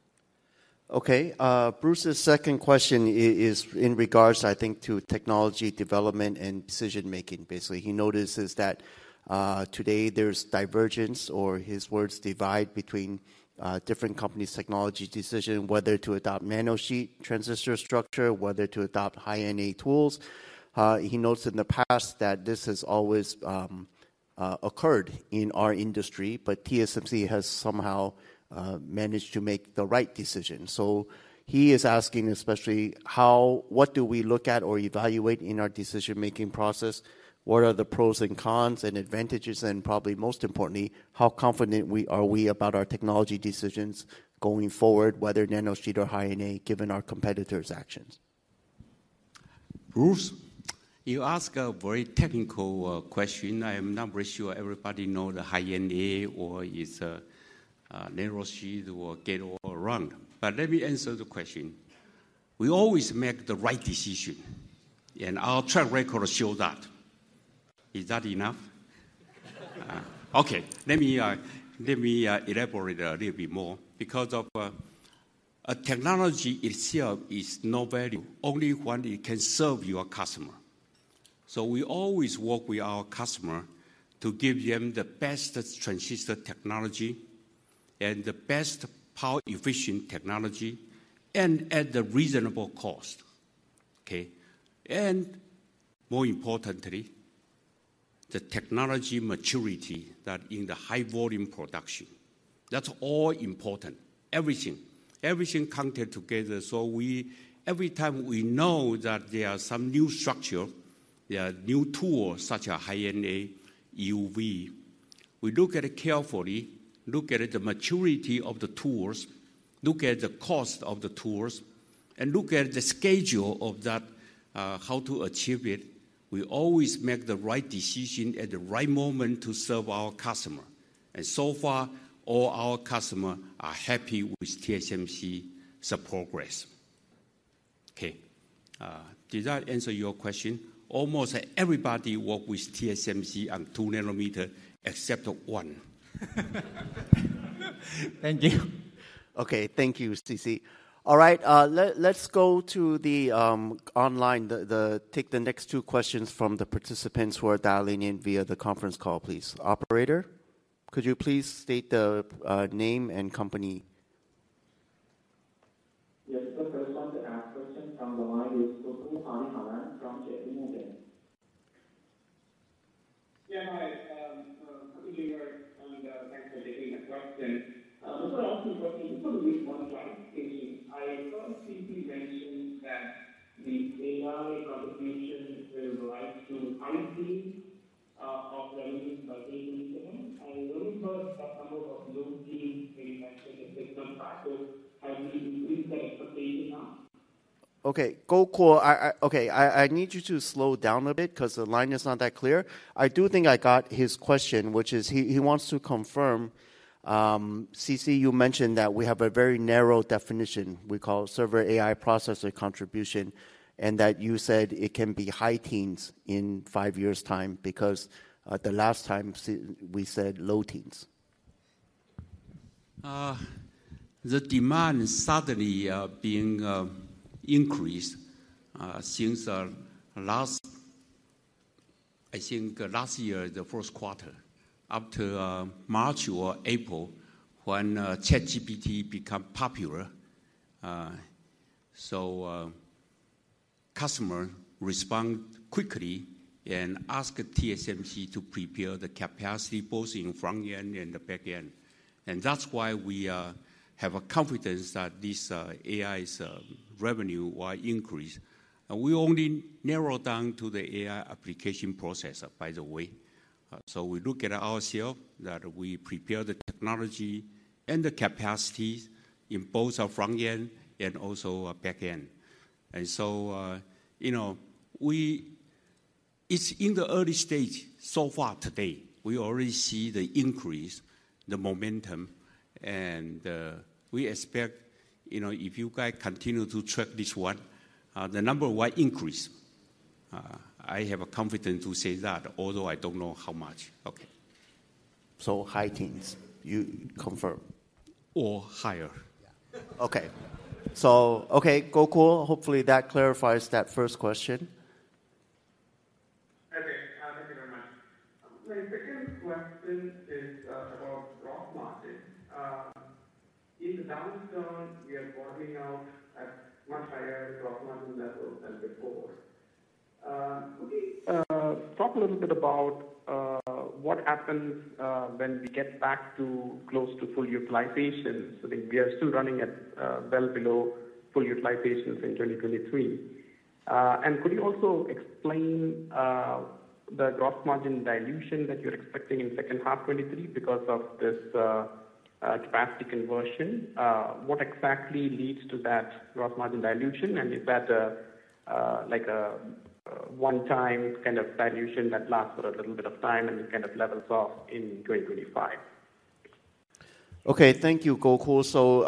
S1: Okay, Bruce's second question is in regards, I think, to technology development and decision making. Basically, he notices that today there's divergence, or his words, divide between different companies' technology decision, whether to adopt nanosheet transistor structure, whether to adopt high NA tools. He notes in the past that this has always occurred in our industry, but TSMC has somehow managed to make the right decision. So he is asking, especially, how, what do we look at or evaluate in our decision-making process? What are the pros and cons and advantages? And probably most importantly, how confident are we about our technology decisions going forward, whether nanosheet or high NA, given our competitors' actions?
S3: Bruce, you ask a very technical question. I am not very sure everybody know the high-NA or is, nanosheet or gate-all-around. But let me answer the question. We always make the right decision, and our track record show that. Is that enough? Okay, let me elaborate a little bit more because of a technology itself is no value, only when it can serve your customer. So we always work with our customer to give them the best transistor technology and the best power efficient technology, and at a reasonable cost, okay? And more importantly, the technology maturity that in the high volume production. That's all important. Everything, everything counted together. So every time we know that there are some new structure, there are new tools, such as high-NA EUV, we look at it carefully, look at the maturity of the tools, look at the cost of the tools, and look at the schedule of that, how to achieve it. We always make the right decision at the right moment to serve our customer. And so far, all our customer are happy with TSMC's progress... Okay, did that answer your question? Almost everybody work with TSMC on 2nm except one.
S6: Thank you.
S1: Okay, thank you, C.C. All right, let's go to the online, take the next two questions from the participants who are dialing in via the conference call, please. Operator, could you please state the name and company?
S7: Yes, the first one to ask question from the line is Gokul Hariharan from JPMorgan.
S8: Yeah, hi, good evening, and, thanks for taking my question. Before I ask the question, just want to make one point. I heard CC mention that the AI contribution will rise to high teens of revenues by 2027. I only heard that number of low teens being mentioned a few times back, so have we increased the expectation now?
S1: Okay, Gokul, okay, I need you to slow down a bit 'cause the line is not that clear. I do think I got his question, which is he wants to confirm, CC, you mentioned that we have a very narrow definition we call server AI processor contribution, and that you said it can be high teens in five years' time because the last time we said low teens.
S3: The demand is suddenly being increased since last year, I think, the first quarter, up to March or April, when ChatGPT become popular. So, customer respond quickly and ask TSMC to prepare the capacity both in front end and the back end. And that's why we have a confidence that this AI's revenue will increase. And we only narrow down to the AI application processor, by the way. So we look at ourself that we prepare the technology and the capacity in both our front end and also our back end. And so, you know, It's in the early stage so far today. We already see the increase, the momentum, and we expect, you know, if you guys continue to track this one, the number will increase. I have a confidence to say that, although I don't know how much. Okay. So high teens, you confirm? Or higher.
S1: Yeah. Okay. So, okay, Gokul, hopefully that clarifies that first question.
S8: Okay, thank you very much. My second question is about gross margin. In the downturn, we are bottoming out at much higher gross margin levels than before. Could you talk a little bit about what happens when we get back to close to full utilization? So like we are still running at well below full utilizations in 2023. And could you also explain the gross margin dilution that you're expecting in second half 2023 because of this capacity conversion? What exactly leads to that gross margin dilution, and is that a like a one-time kind of dilution that lasts for a little bit of time and then kind of levels off in 2025?
S1: Okay, thank you, Gokul. So,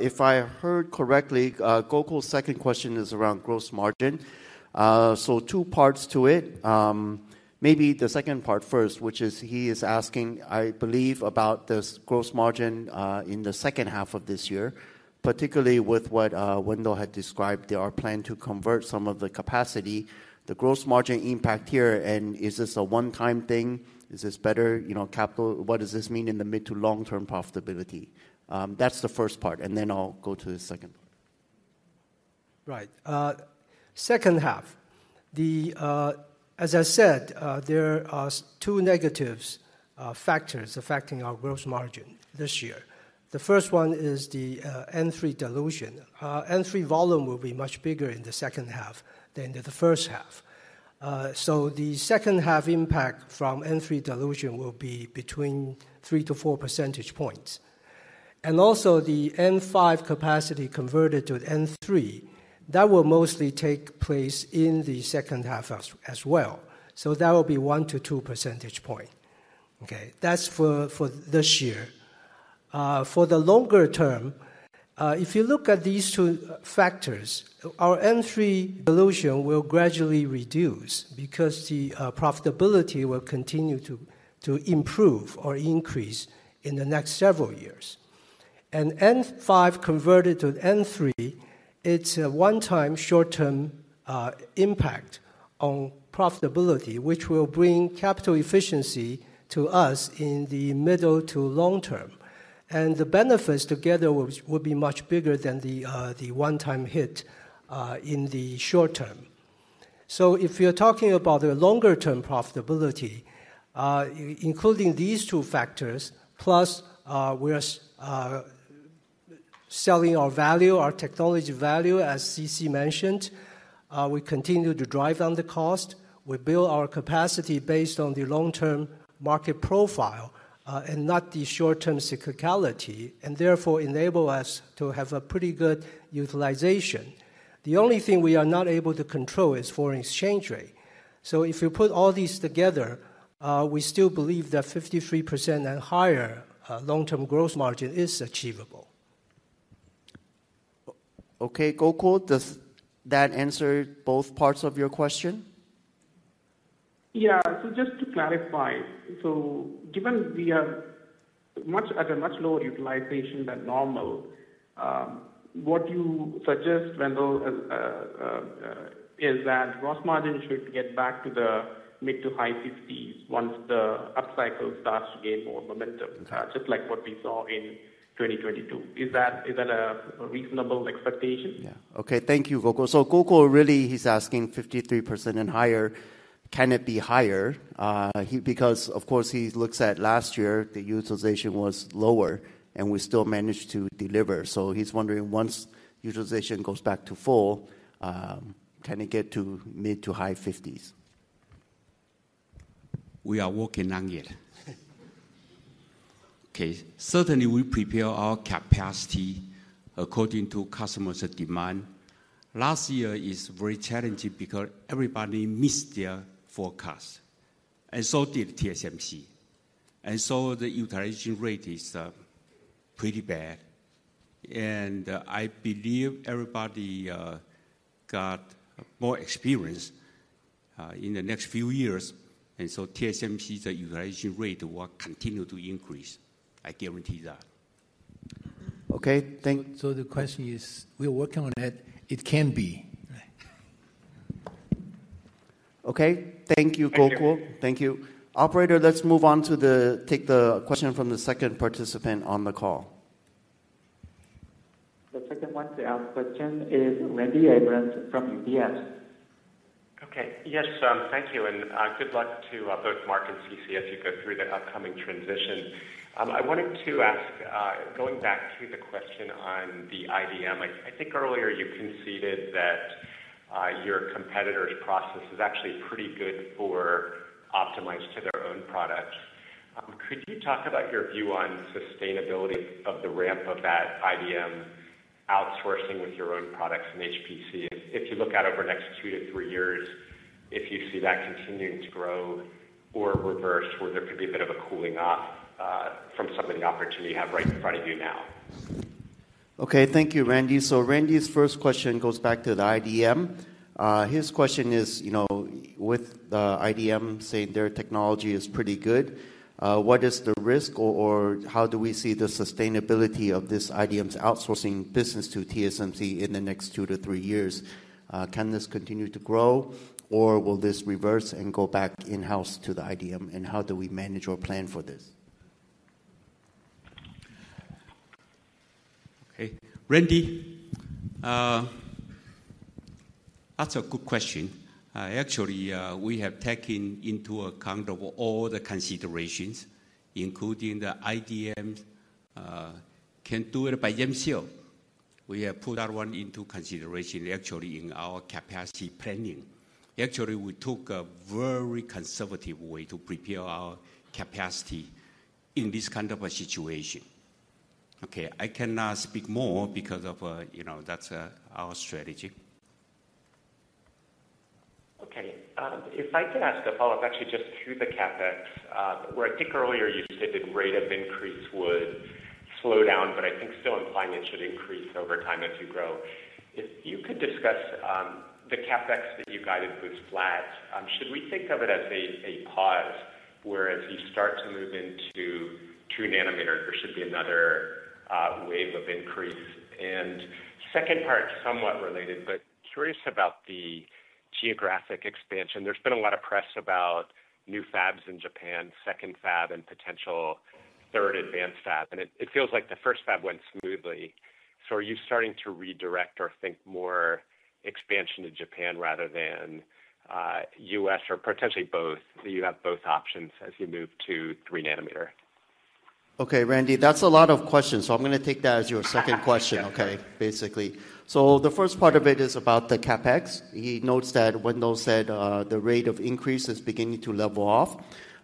S1: if I heard correctly, Gokul's second question is around gross margin. So two parts to it. Maybe the second part first, which is he is asking, I believe, about this gross margin in the second half of this year, particularly with what Wendell had described, their plan to convert some of the capacity, the gross margin impact here, and is this a one-time thing? Is this better, you know, capital-- What does this mean in the mid to long-term profitability? That's the first part, and then I'll go to the second.
S2: Right. Second half, as I said, there are two negative factors affecting our gross margin this year. The first one is the N3 dilution. N3 volume will be much bigger in the second half than the first half. So the second half impact from N3 dilution will be between three to four percentage points. And also, the N5 capacity converted to N3, that will mostly take place in the second half as well. So that will be one to two percentage point. Okay, that's for this year. For the longer term, if you look at these two factors, our N3 dilution will gradually reduce because the profitability will continue to improve or increase in the next several years. N5 converted to N3, it's a one-time, short-term impact on profitability, which will bring capital efficiency to us in the middle to long term. The benefits together will be much bigger than the one-time hit in the short term. So if you're talking about the longer term profitability, including these two factors, plus, we are selling our value, our technology value, as C.C. mentioned, we continue to drive down the cost. We build our capacity based on the long-term market profile, and not the short-term cyclicality, and therefore enable us to have a pretty good utilization. The only thing we are not able to control is foreign exchange rate. So if you put all these together, we still believe that 53% and higher long-term gross margin is achievable.
S1: Okay, Gokul, does that answer both parts of your question?
S8: Yeah. So just to clarify, given we are at a much lower utilization than normal, what you suggest, Wendell, is that gross margin should get back to the mid- to high-50s% once the upcycle starts to gain more momentum-
S1: Mm-hmm.
S8: Just like what we saw in 2022. Is that a reasonable expectation?
S1: Yeah. Okay, thank you, Gokul. So Gokul, really, he's asking 53% and higher, can it be higher? He, because, of course, he looks at last year, the utilization was lower, and we still managed to deliver. So he's wondering, once utilization goes back to full, can it get to mid- to high 50s%?
S3: We are working on it. Okay, certainly, we prepare our capacity according to customers' demand. Last year is very challenging because everybody missed their forecast, and so did TSMC. And so the utilization rate is pretty bad. And I believe everybody got more experience in the next few years, and so TSMC's utilization rate will continue to increase. I guarantee that.
S1: Okay, thank-
S2: The question is, we are working on it. It can be.
S3: Right.
S1: Okay. Thank you, Gokul.
S8: Thank you.
S1: Thank you. Operator, let's move on to the... take the question from the second participant on the call.
S7: The second one to ask question is Randy Abrams from UBS.
S9: Okay. Yes, thank you, and, good luck to, both Mark Liu and C.C. Wei as you go through the upcoming transition. I wanted to ask, going back to the question on the IDM, I, I think earlier you conceded that, your competitor's process is actually pretty good for optimized to their own products. Could you talk about your view on sustainability of the ramp of that IDM outsourcing with your own products in HPC? If, if you look out over the next two to three years, if you see that continuing to grow or reverse, where there could be a bit of a cooling off, from some of the opportunity you have right in front of you now.
S1: Okay, thank you, Randy. So Randy's first question goes back to the IDM. His question is, you know, with the IDM saying their technology is pretty good, what is the risk or, or how do we see the sustainability of this IDM's outsourcing business to TSMC in the next two to three years? Can this continue to grow, or will this reverse and go back in-house to the IDM, and how do we manage or plan for this?
S3: Okay. Randy, that's a good question. Actually, we have taken into account of all the considerations, including the IDM can do it by themselves. We have put that one into consideration, actually, in our capacity planning. Actually, we took a very conservative way to prepare our capacity in this kind of a situation. Okay, I cannot speak more because of, you know, that's our strategy.
S9: Okay. If I could ask a follow-up, actually, just to the CapEx. Where I think earlier you said the rate of increase would slow down, but I think still implying it should increase over time as you grow. If you could discuss the CapEx that you guided was flat, should we think of it as a pause, whereas you start to move into 2nm, there should be another wave of increase? And second part, somewhat related, but curious about the geographic expansion. There's been a lot of press about new fabs in Japan, second fab and potential third advanced fab, and it feels like the first fab went smoothly. So are you starting to redirect or think more expansion to Japan rather than U.S. or potentially both, so you have both options as you move to 3nm?
S1: Okay, Randy, that's a lot of questions, so I'm gonna take that as your second question-
S9: Yeah.
S1: Okay, basically. The first part of it is about the CapEx. He notes that Wendell said the rate of increase is beginning to level off.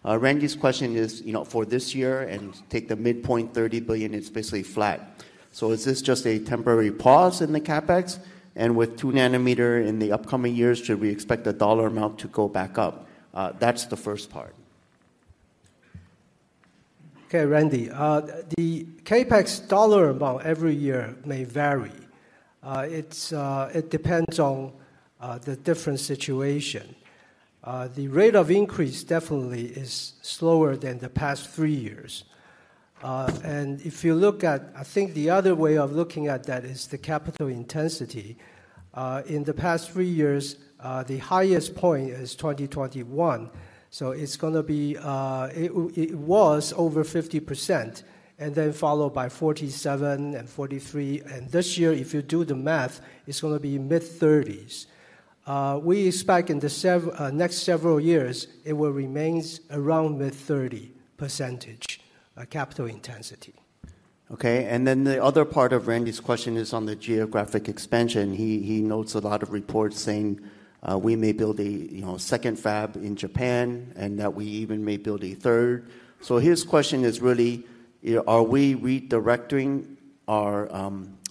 S1: Randy's question is, you know, for this year and take the midpoint $30 billion, it's basically flat. So is this just a temporary pause in the CapEx? And with 2nm in the upcoming years, should we expect the dollar amount to go back up? That's the first part.
S2: Okay, Randy, the CapEx dollar amount every year may vary. It's... It depends on the different situation. The rate of increase definitely is slower than the past three years. And if you look at, I think the other way of looking at that is the capital intensity. In the past three years, the highest point is 2021, so it was over 50%, and then followed by 47% and 43%. And this year, if you do the math, it's gonna be mid-30s%. We expect in the next several years, it will remains around mid-30% capital intensity.
S1: Okay, and then the other part of Randy's question is on the geographic expansion. He notes a lot of reports saying we may build a, you know, second fab in Japan, and that we even may build a third. So his question is really, are we redirecting our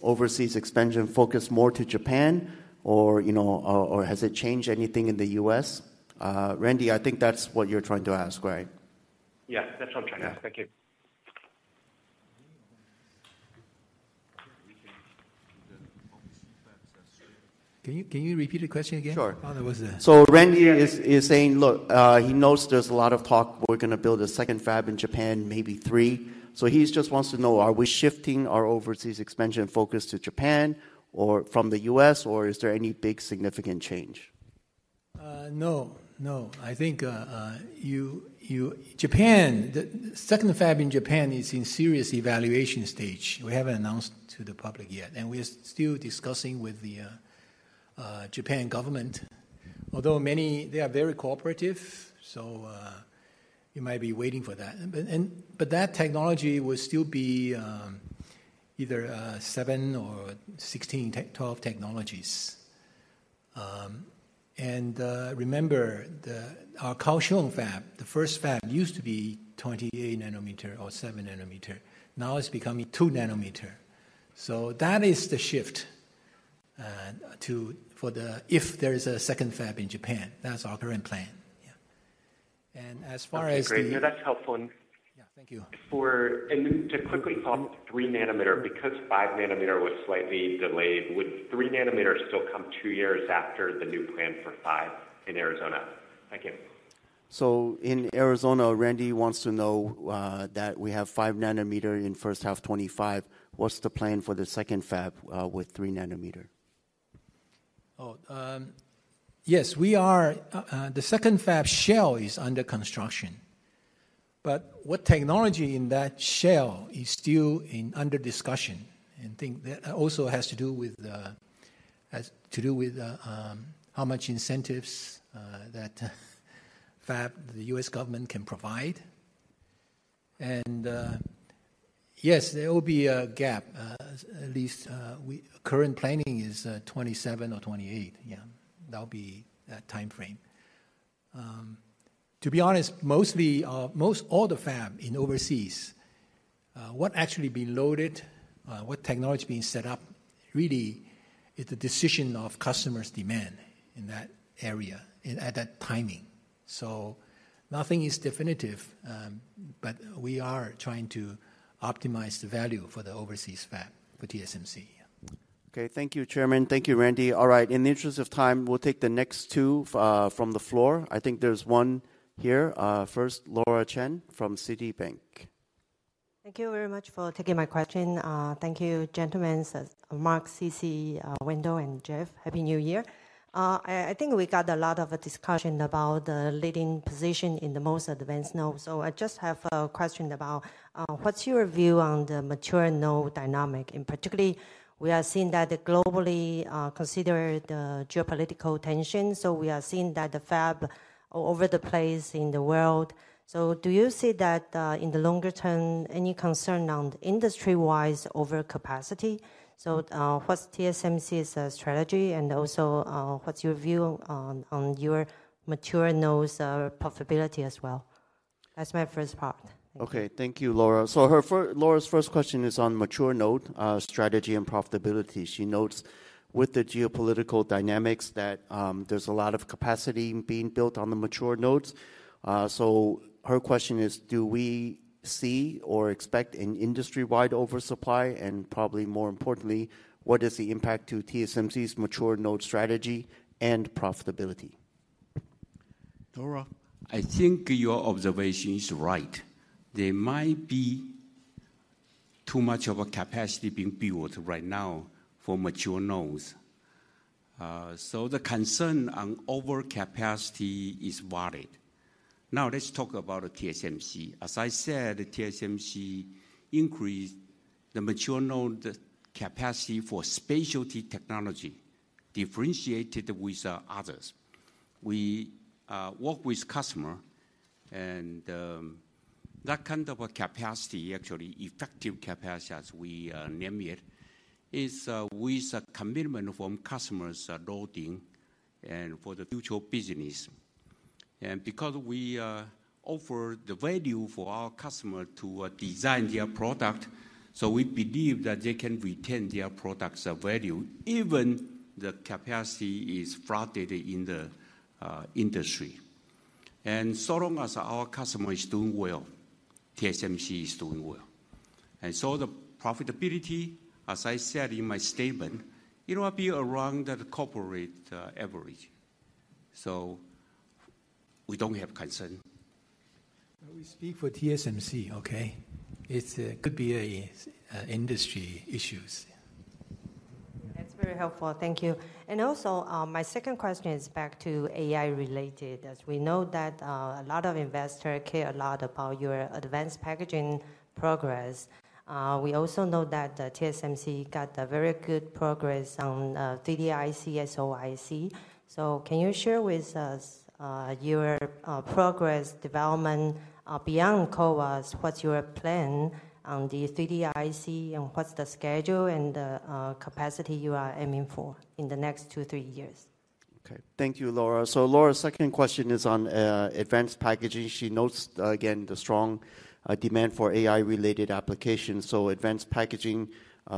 S1: overseas expansion focus more to Japan or, you know, or has it changed anything in the U.S.? Randy, I think that's what you're trying to ask, right?
S9: Yeah, that's what I'm trying to ask.
S1: Yeah.
S9: Thank you.
S4: Can you, can you repeat the question again?
S1: Sure.
S4: I thought I was...
S1: So Randy is saying, look, he knows there's a lot of talk we're gonna build a second fab in Japan, maybe three. So he just wants to know, are we shifting our overseas expansion focus to Japan or from the U.S., or is there any big significant change?
S4: No, no. I think you-- Japan, the second fab in Japan is in serious evaluation stage. We haven't announced to the public yet, and we are still discussing with the Japanese government. Although many... They are very cooperative, so you might be waiting for that. But that technology will still be either seven or 16/12 technologies. And remember, our Kaohsiung fab, the first fab, used to be 28nm or 7nm. Now it's becoming 2nm. So that is the shift to-- for the... If there is a second fab in Japan, that's our current plan. Yeah. And as far as the-
S9: Okay, great. Yeah, that's helpful.
S4: Yeah, thank you.
S9: And then to quickly follow up, 3nm, because 5nm was slightly delayed, would 3nm still come two years after the new plan for five in Arizona? Thank you.
S1: So in Arizona, Randy wants to know that we have 5nm in first half 2025. What's the plan for the second fab with 3nm?
S4: Oh, yes, we are—the second fab shell is under construction, but what technology in that shell is still under discussion. And think that also has to do with how much incentives that fab, the U.S. government can provide. And, yes, there will be a gap, at least, we current planning is 2027 or 2028. Yeah, that'll be that timeframe. To be honest, mostly, most all the fab in overseas, what actually be loaded, what technology being set up, really is the decision of customers' demand in that area and at that timing. So nothing is definitive, but we are trying to optimize the value for the overseas fab for TSMC.
S1: Okay. Thank you, Chairman. Thank you, Randy. All right, in the interest of time, we'll take the next two from the floor. I think there's one here. First, Laura Chen from Citibank.
S10: Thank you very much for taking my question. Thank you, gentlemen, Mark, C.C., Wendell, and Jeff. Happy New Year. I think we got a lot of discussion about the leading position in the most advanced node. So I just have a question about what's your view on the mature node dynamic? In particular, we are seeing that globally, consider the geopolitical tension, so we are seeing that the fab all over the place in the world. So do you see that, in the longer term, any concern on industry-wise overcapacity? So, what's TSMC's strategy, and also, what's your view on your mature nodes profitability as well? That's my first part.
S1: Okay. Thank you, Laura. So Laura's first question is on mature node strategy and profitability. She notes with the geopolitical dynamics that there's a lot of capacity being built on the mature nodes. So her question is: Do we see or expect an industry-wide oversupply? And probably more importantly, what is the impact to TSMC's mature node strategy and profitability?
S3: Laura, I think your observation is right. There might be too much of a capacity being built right now for mature nodes. So the concern on overcapacity is valid. Now, let's talk about TSMC. As I said, TSMC increased the mature node capacity for specialty technology, differentiated with others. We work with customer, and that kind of a capacity, actually effective capacity as we name it, is with a commitment from customers loading and for the future business. And because we offer the value for our customer to design their product, so we believe that they can retain their product's value, even the capacity is flooded in the industry. And so long as our customer is doing well, TSMC is doing well. And so the profitability, as I said in my statement, it will be around the corporate average. We don't have concern.
S4: But we speak for TSMC, okay? It could be industry issues.
S10: That's very helpful. Thank you. Also, my second question is back to AI-related. As we know that a lot of investors care a lot about your advanced packaging progress. We also know that TSMC got a very good progress on 3D IC, SoIC. So can you share with us your progress development beyond CoWoS? What's your plan on the 3DIC, and what's the schedule and the capacity you are aiming for in the next two, three years?...
S1: Okay, thank you, Laura. So Laura's second question is on advanced packaging. She notes, again, the strong demand for AI-related applications. So advanced packaging,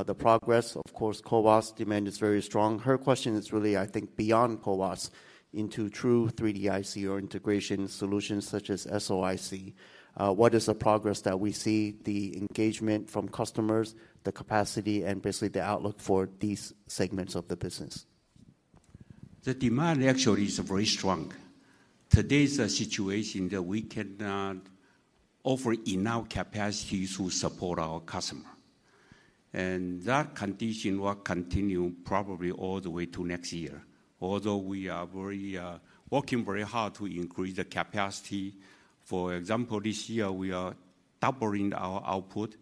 S1: the progress, of course, CoWoS demand is very strong. Her question is really, I think, beyond CoWoS into true 3D IC or integration solutions such as SoIC. What is the progress that we see, the engagement from customers, the capacity, and basically the outlook for these segments of the business?
S3: The demand actually is very strong. Today's situation that we cannot offer enough capacity to support our customer. And that condition will continue probably all the way to next year. Although we are very, working very hard to increase the capacity, for example, this year we are doubling our output,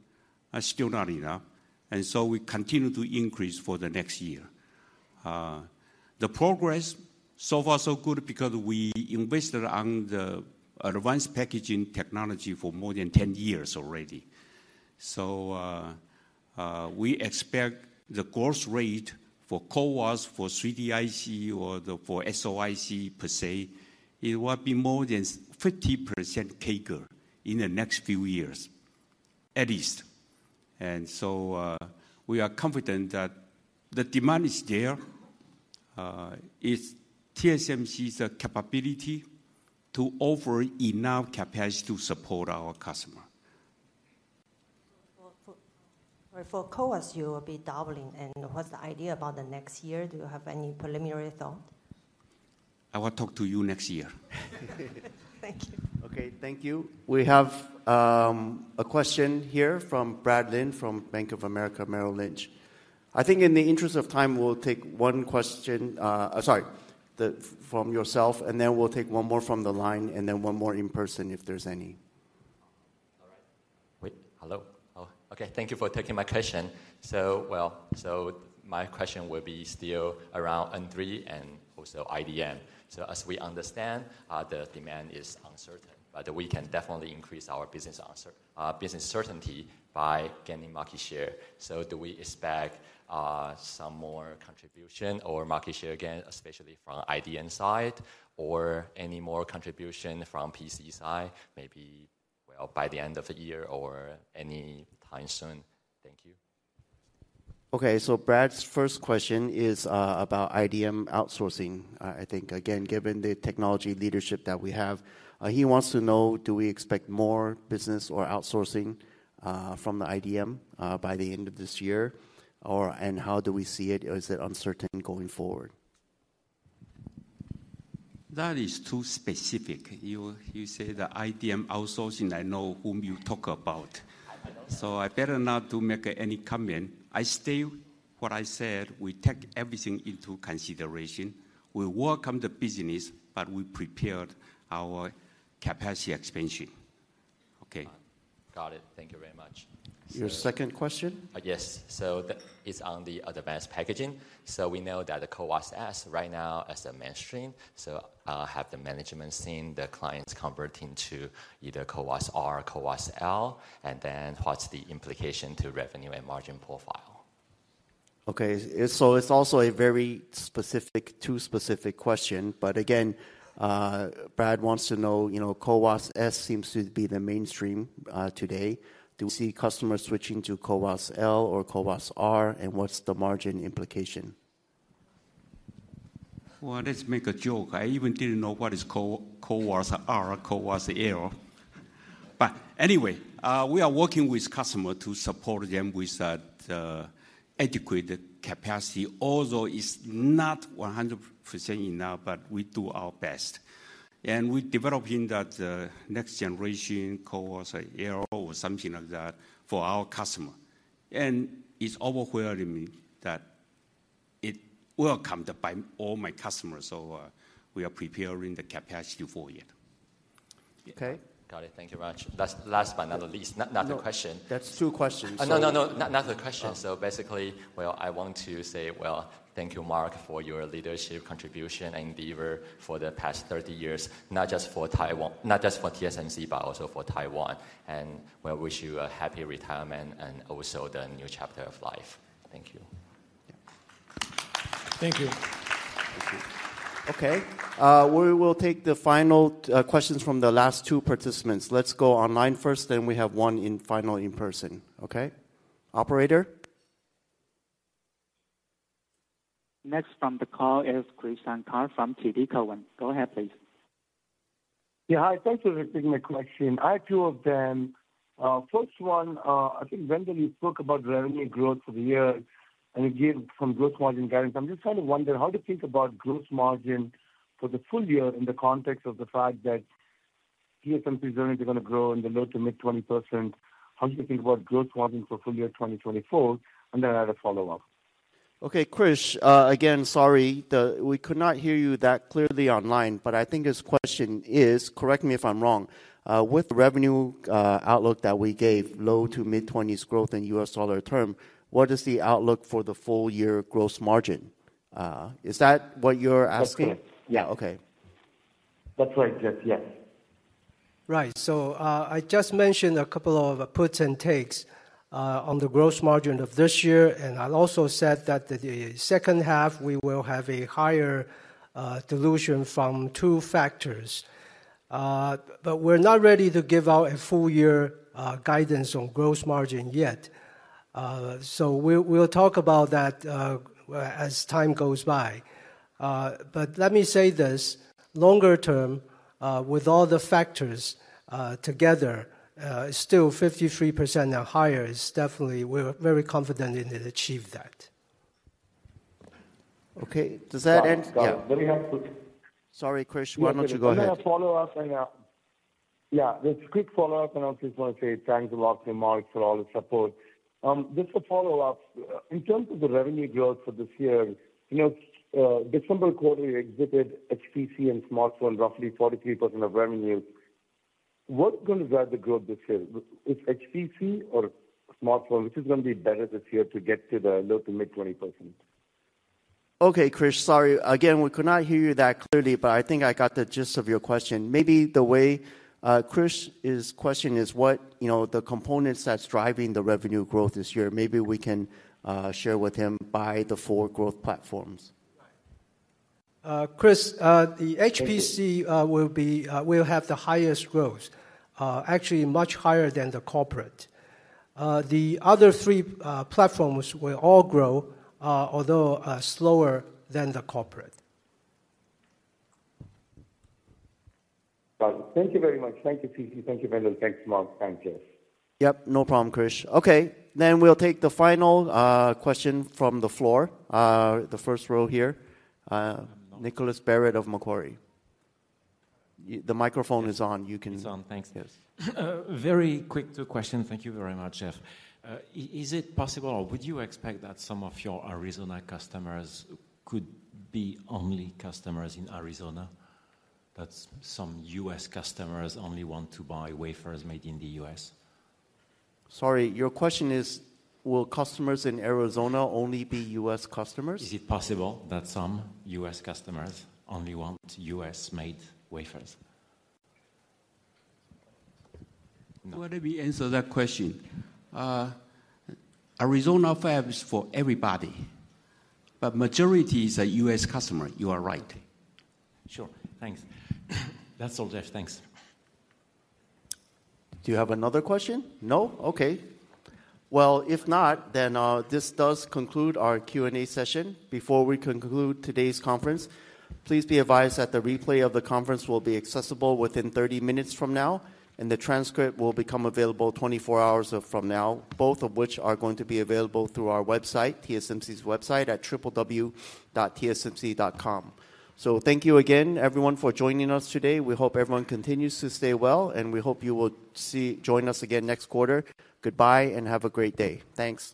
S3: still not enough, and so we continue to increase for the next year. The progress, so far so good because we invested on the advanced packaging technology for more than 10 years already. So, we expect the growth rate for CoWoS, for 3D IC, or the, for SoIC per se, it will be more than 50% CAGR in the next few years, at least. And so, we are confident that the demand is there, it's TSMC's capability to offer enough capacity to support our customer.
S10: Well, for CoWoS, you will be doubling. What's the idea about the next year? Do you have any preliminary thought?
S3: I will talk to you next year.
S10: Thank you.
S1: Okay, thank you. We have a question here from Brad Lin from Bank of America Merrill Lynch. I think in the interest of time, we'll take one question, sorry, from yourself, and then we'll take one more from the line and then one more in person, if there's any.
S11: All right. Wait. Hello? Oh, okay. Thank you for taking my question. So, well, so my question will be still around N3 and also IDM. So as we understand, the demand is uncertain, but we can definitely increase our business answer, business certainty by gaining market share. So do we expect, some more contribution or market share, again, especially from IDM side, or any more contribution from PC side, maybe, well, by the end of the year or any time soon? Thank you.
S1: Okay, so Brad's first question is about IDM outsourcing. I think, again, given the technology leadership that we have, he wants to know, do we expect more business or outsourcing from the IDM by the end of this year? Or, and how do we see it, or is it uncertain going forward?
S3: That is too specific. You, you say the IDM outsourcing, I know whom you talk about.
S11: I know.
S3: I better not to make any comment. I still, what I said, we take everything into consideration. We welcome the business, but we prepared our capacity expansion. Okay.
S11: Got it. Thank you very much.
S1: Your second question?
S11: Yes. So, it's on the advanced packaging. So we know that the CoWoS-S right now is the mainstream, so, have the management seen the clients converting to either CoWoS-R or CoWoS-L? And then, what's the implication to revenue and margin profile?
S1: Okay. It's also a very specific, too specific question. But again, Brad wants to know, you know, CoWoS-S seems to be the mainstream today. Do we see customers switching to CoWoS-L or CoWoS-R, and what's the margin implication?
S3: Well, let's make a joke. I even didn't know what is Co- CoWoS-R or CoWoS-L. But anyway, we are working with customer to support them with that, adequate capacity, although it's not 100% enough, but we do our best. And we're developing that, next generation CoWoS-L or something like that for our customer. And it's overwhelming me that it welcomed by all my customers, so, we are preparing the capacity for it.
S11: Okay.
S1: Okay.
S11: Got it. Thank you very much. Last but not least, the question-
S1: No, that's two questions.
S11: Oh, no, no, no, not, not the question.
S1: Oh.
S11: Basically, well, I want to say, well, thank you, Mark, for your leadership, contribution, and endeavor for the past 30 years. Not just for Taiwan, not just for TSMC, but also for Taiwan. We wish you a happy retirement and also the new chapter of life. Thank you.
S4: Yeah. Thank you.
S1: Thank you. Okay, we will take the final questions from the last two participants. Let's go online first, then we have one in final in person, okay? Operator?
S7: Next on the call is Krish Sankar from TD Cowen. Go ahead, please.
S12: Yeah, hi. Thank you for taking my question. I have two of them. First one, I think, Wendell, you spoke about the revenue growth for the year and again, some gross margin guidance. I'm just trying to wonder, how to think about gross margin for the full year in the context of the fact that TSMC is only gonna grow in the low to mid-20%. How do you think about gross margin for full year 2024? And then I have a follow-up.
S1: Okay, Krish, again, sorry. We could not hear you that clearly online, but I think his question is, correct me if I'm wrong, with the revenue outlook that we gave, low- to mid-20s growth in US dollar term, what is the outlook for the full year gross margin? Is that what you're asking?
S12: That's correct. Yeah.
S1: Okay....
S12: That's right, Jeff, yes.
S2: Right. So, I just mentioned a couple of puts and takes on the gross margin of this year, and I've also said that at the second half, we will have a higher dilution from two factors. But we're not ready to give out a full year guidance on gross margin yet. So we'll talk about that as time goes by. But let me say this, longer term, with all the factors together, still 53% or higher is definitely, we're very confident it will achieve that.
S1: Okay, does that end?
S12: Got it.
S1: Yeah.
S12: Let me ask a-
S1: Sorry, Krish, why don't you go ahead?
S12: Let me follow up and, Yeah, just a quick follow-up, and I just wanna say thanks a lot to Mark for all the support. Just a follow-up. In terms of the revenue growth for this year, you know, December quarter, you exhibited HPC and smartphone, roughly 43% of revenue. What's gonna drive the growth this year? Is it HPC or smartphone? Which is gonna be better this year to get to the low-to-mid 20%?
S1: Okay, Krish, sorry. Again, we could not hear you that clearly, but I think I got the gist of your question. Maybe the way, Krish, his question is: what, you know, the components that's driving the revenue growth this year? Maybe we can share with him by the four growth platforms.
S2: Krish, the-
S12: Thank you...
S2: HPC will be, will have the highest growth. Actually, much higher than the corporate. The other three platforms will all grow, although slower than the corporate.
S12: Got it. Thank you very much. Thank you, C.C. Thank you, Wendell. Thanks, Mark. Thanks, Jeff.
S1: Yep, no problem, Krish. Okay, then we'll take the final question from the floor. The first row here, Nicolas Baratte of Macquarie. The microphone is on, you can-
S13: It's on. Thanks.
S1: Yes.
S13: Very quick two questions. Thank you very much, Jeff. Is it possible, or would you expect that some of your Arizona customers could be only customers in Arizona? That some US customers only want to buy wafers made in the U.S.?
S1: Sorry, your question is, will customers in Arizona only be U.S. customers?
S13: Is it possible that some U.S. customers only want U.S.-made wafers?
S2: Let me answer that question. Arizona fab is for everybody, but majority is a U.S. customer, you are right.
S13: Sure, thanks. That's all, Jeff. Thanks.
S1: Do you have another question? No? Okay. Well, if not, then this does conclude our Q&A session. Before we conclude today's conference, please be advised that the replay of the conference will be accessible within 30 minutes from now, and the transcript will become available 24 hours from now, both of which are going to be available through our website, TSMC's website, at www.tsmc.com. So thank you again, everyone, for joining us today. We hope everyone continues to stay well, and we hope you will see--join us again next quarter. Goodbye, and have a great day. Thanks.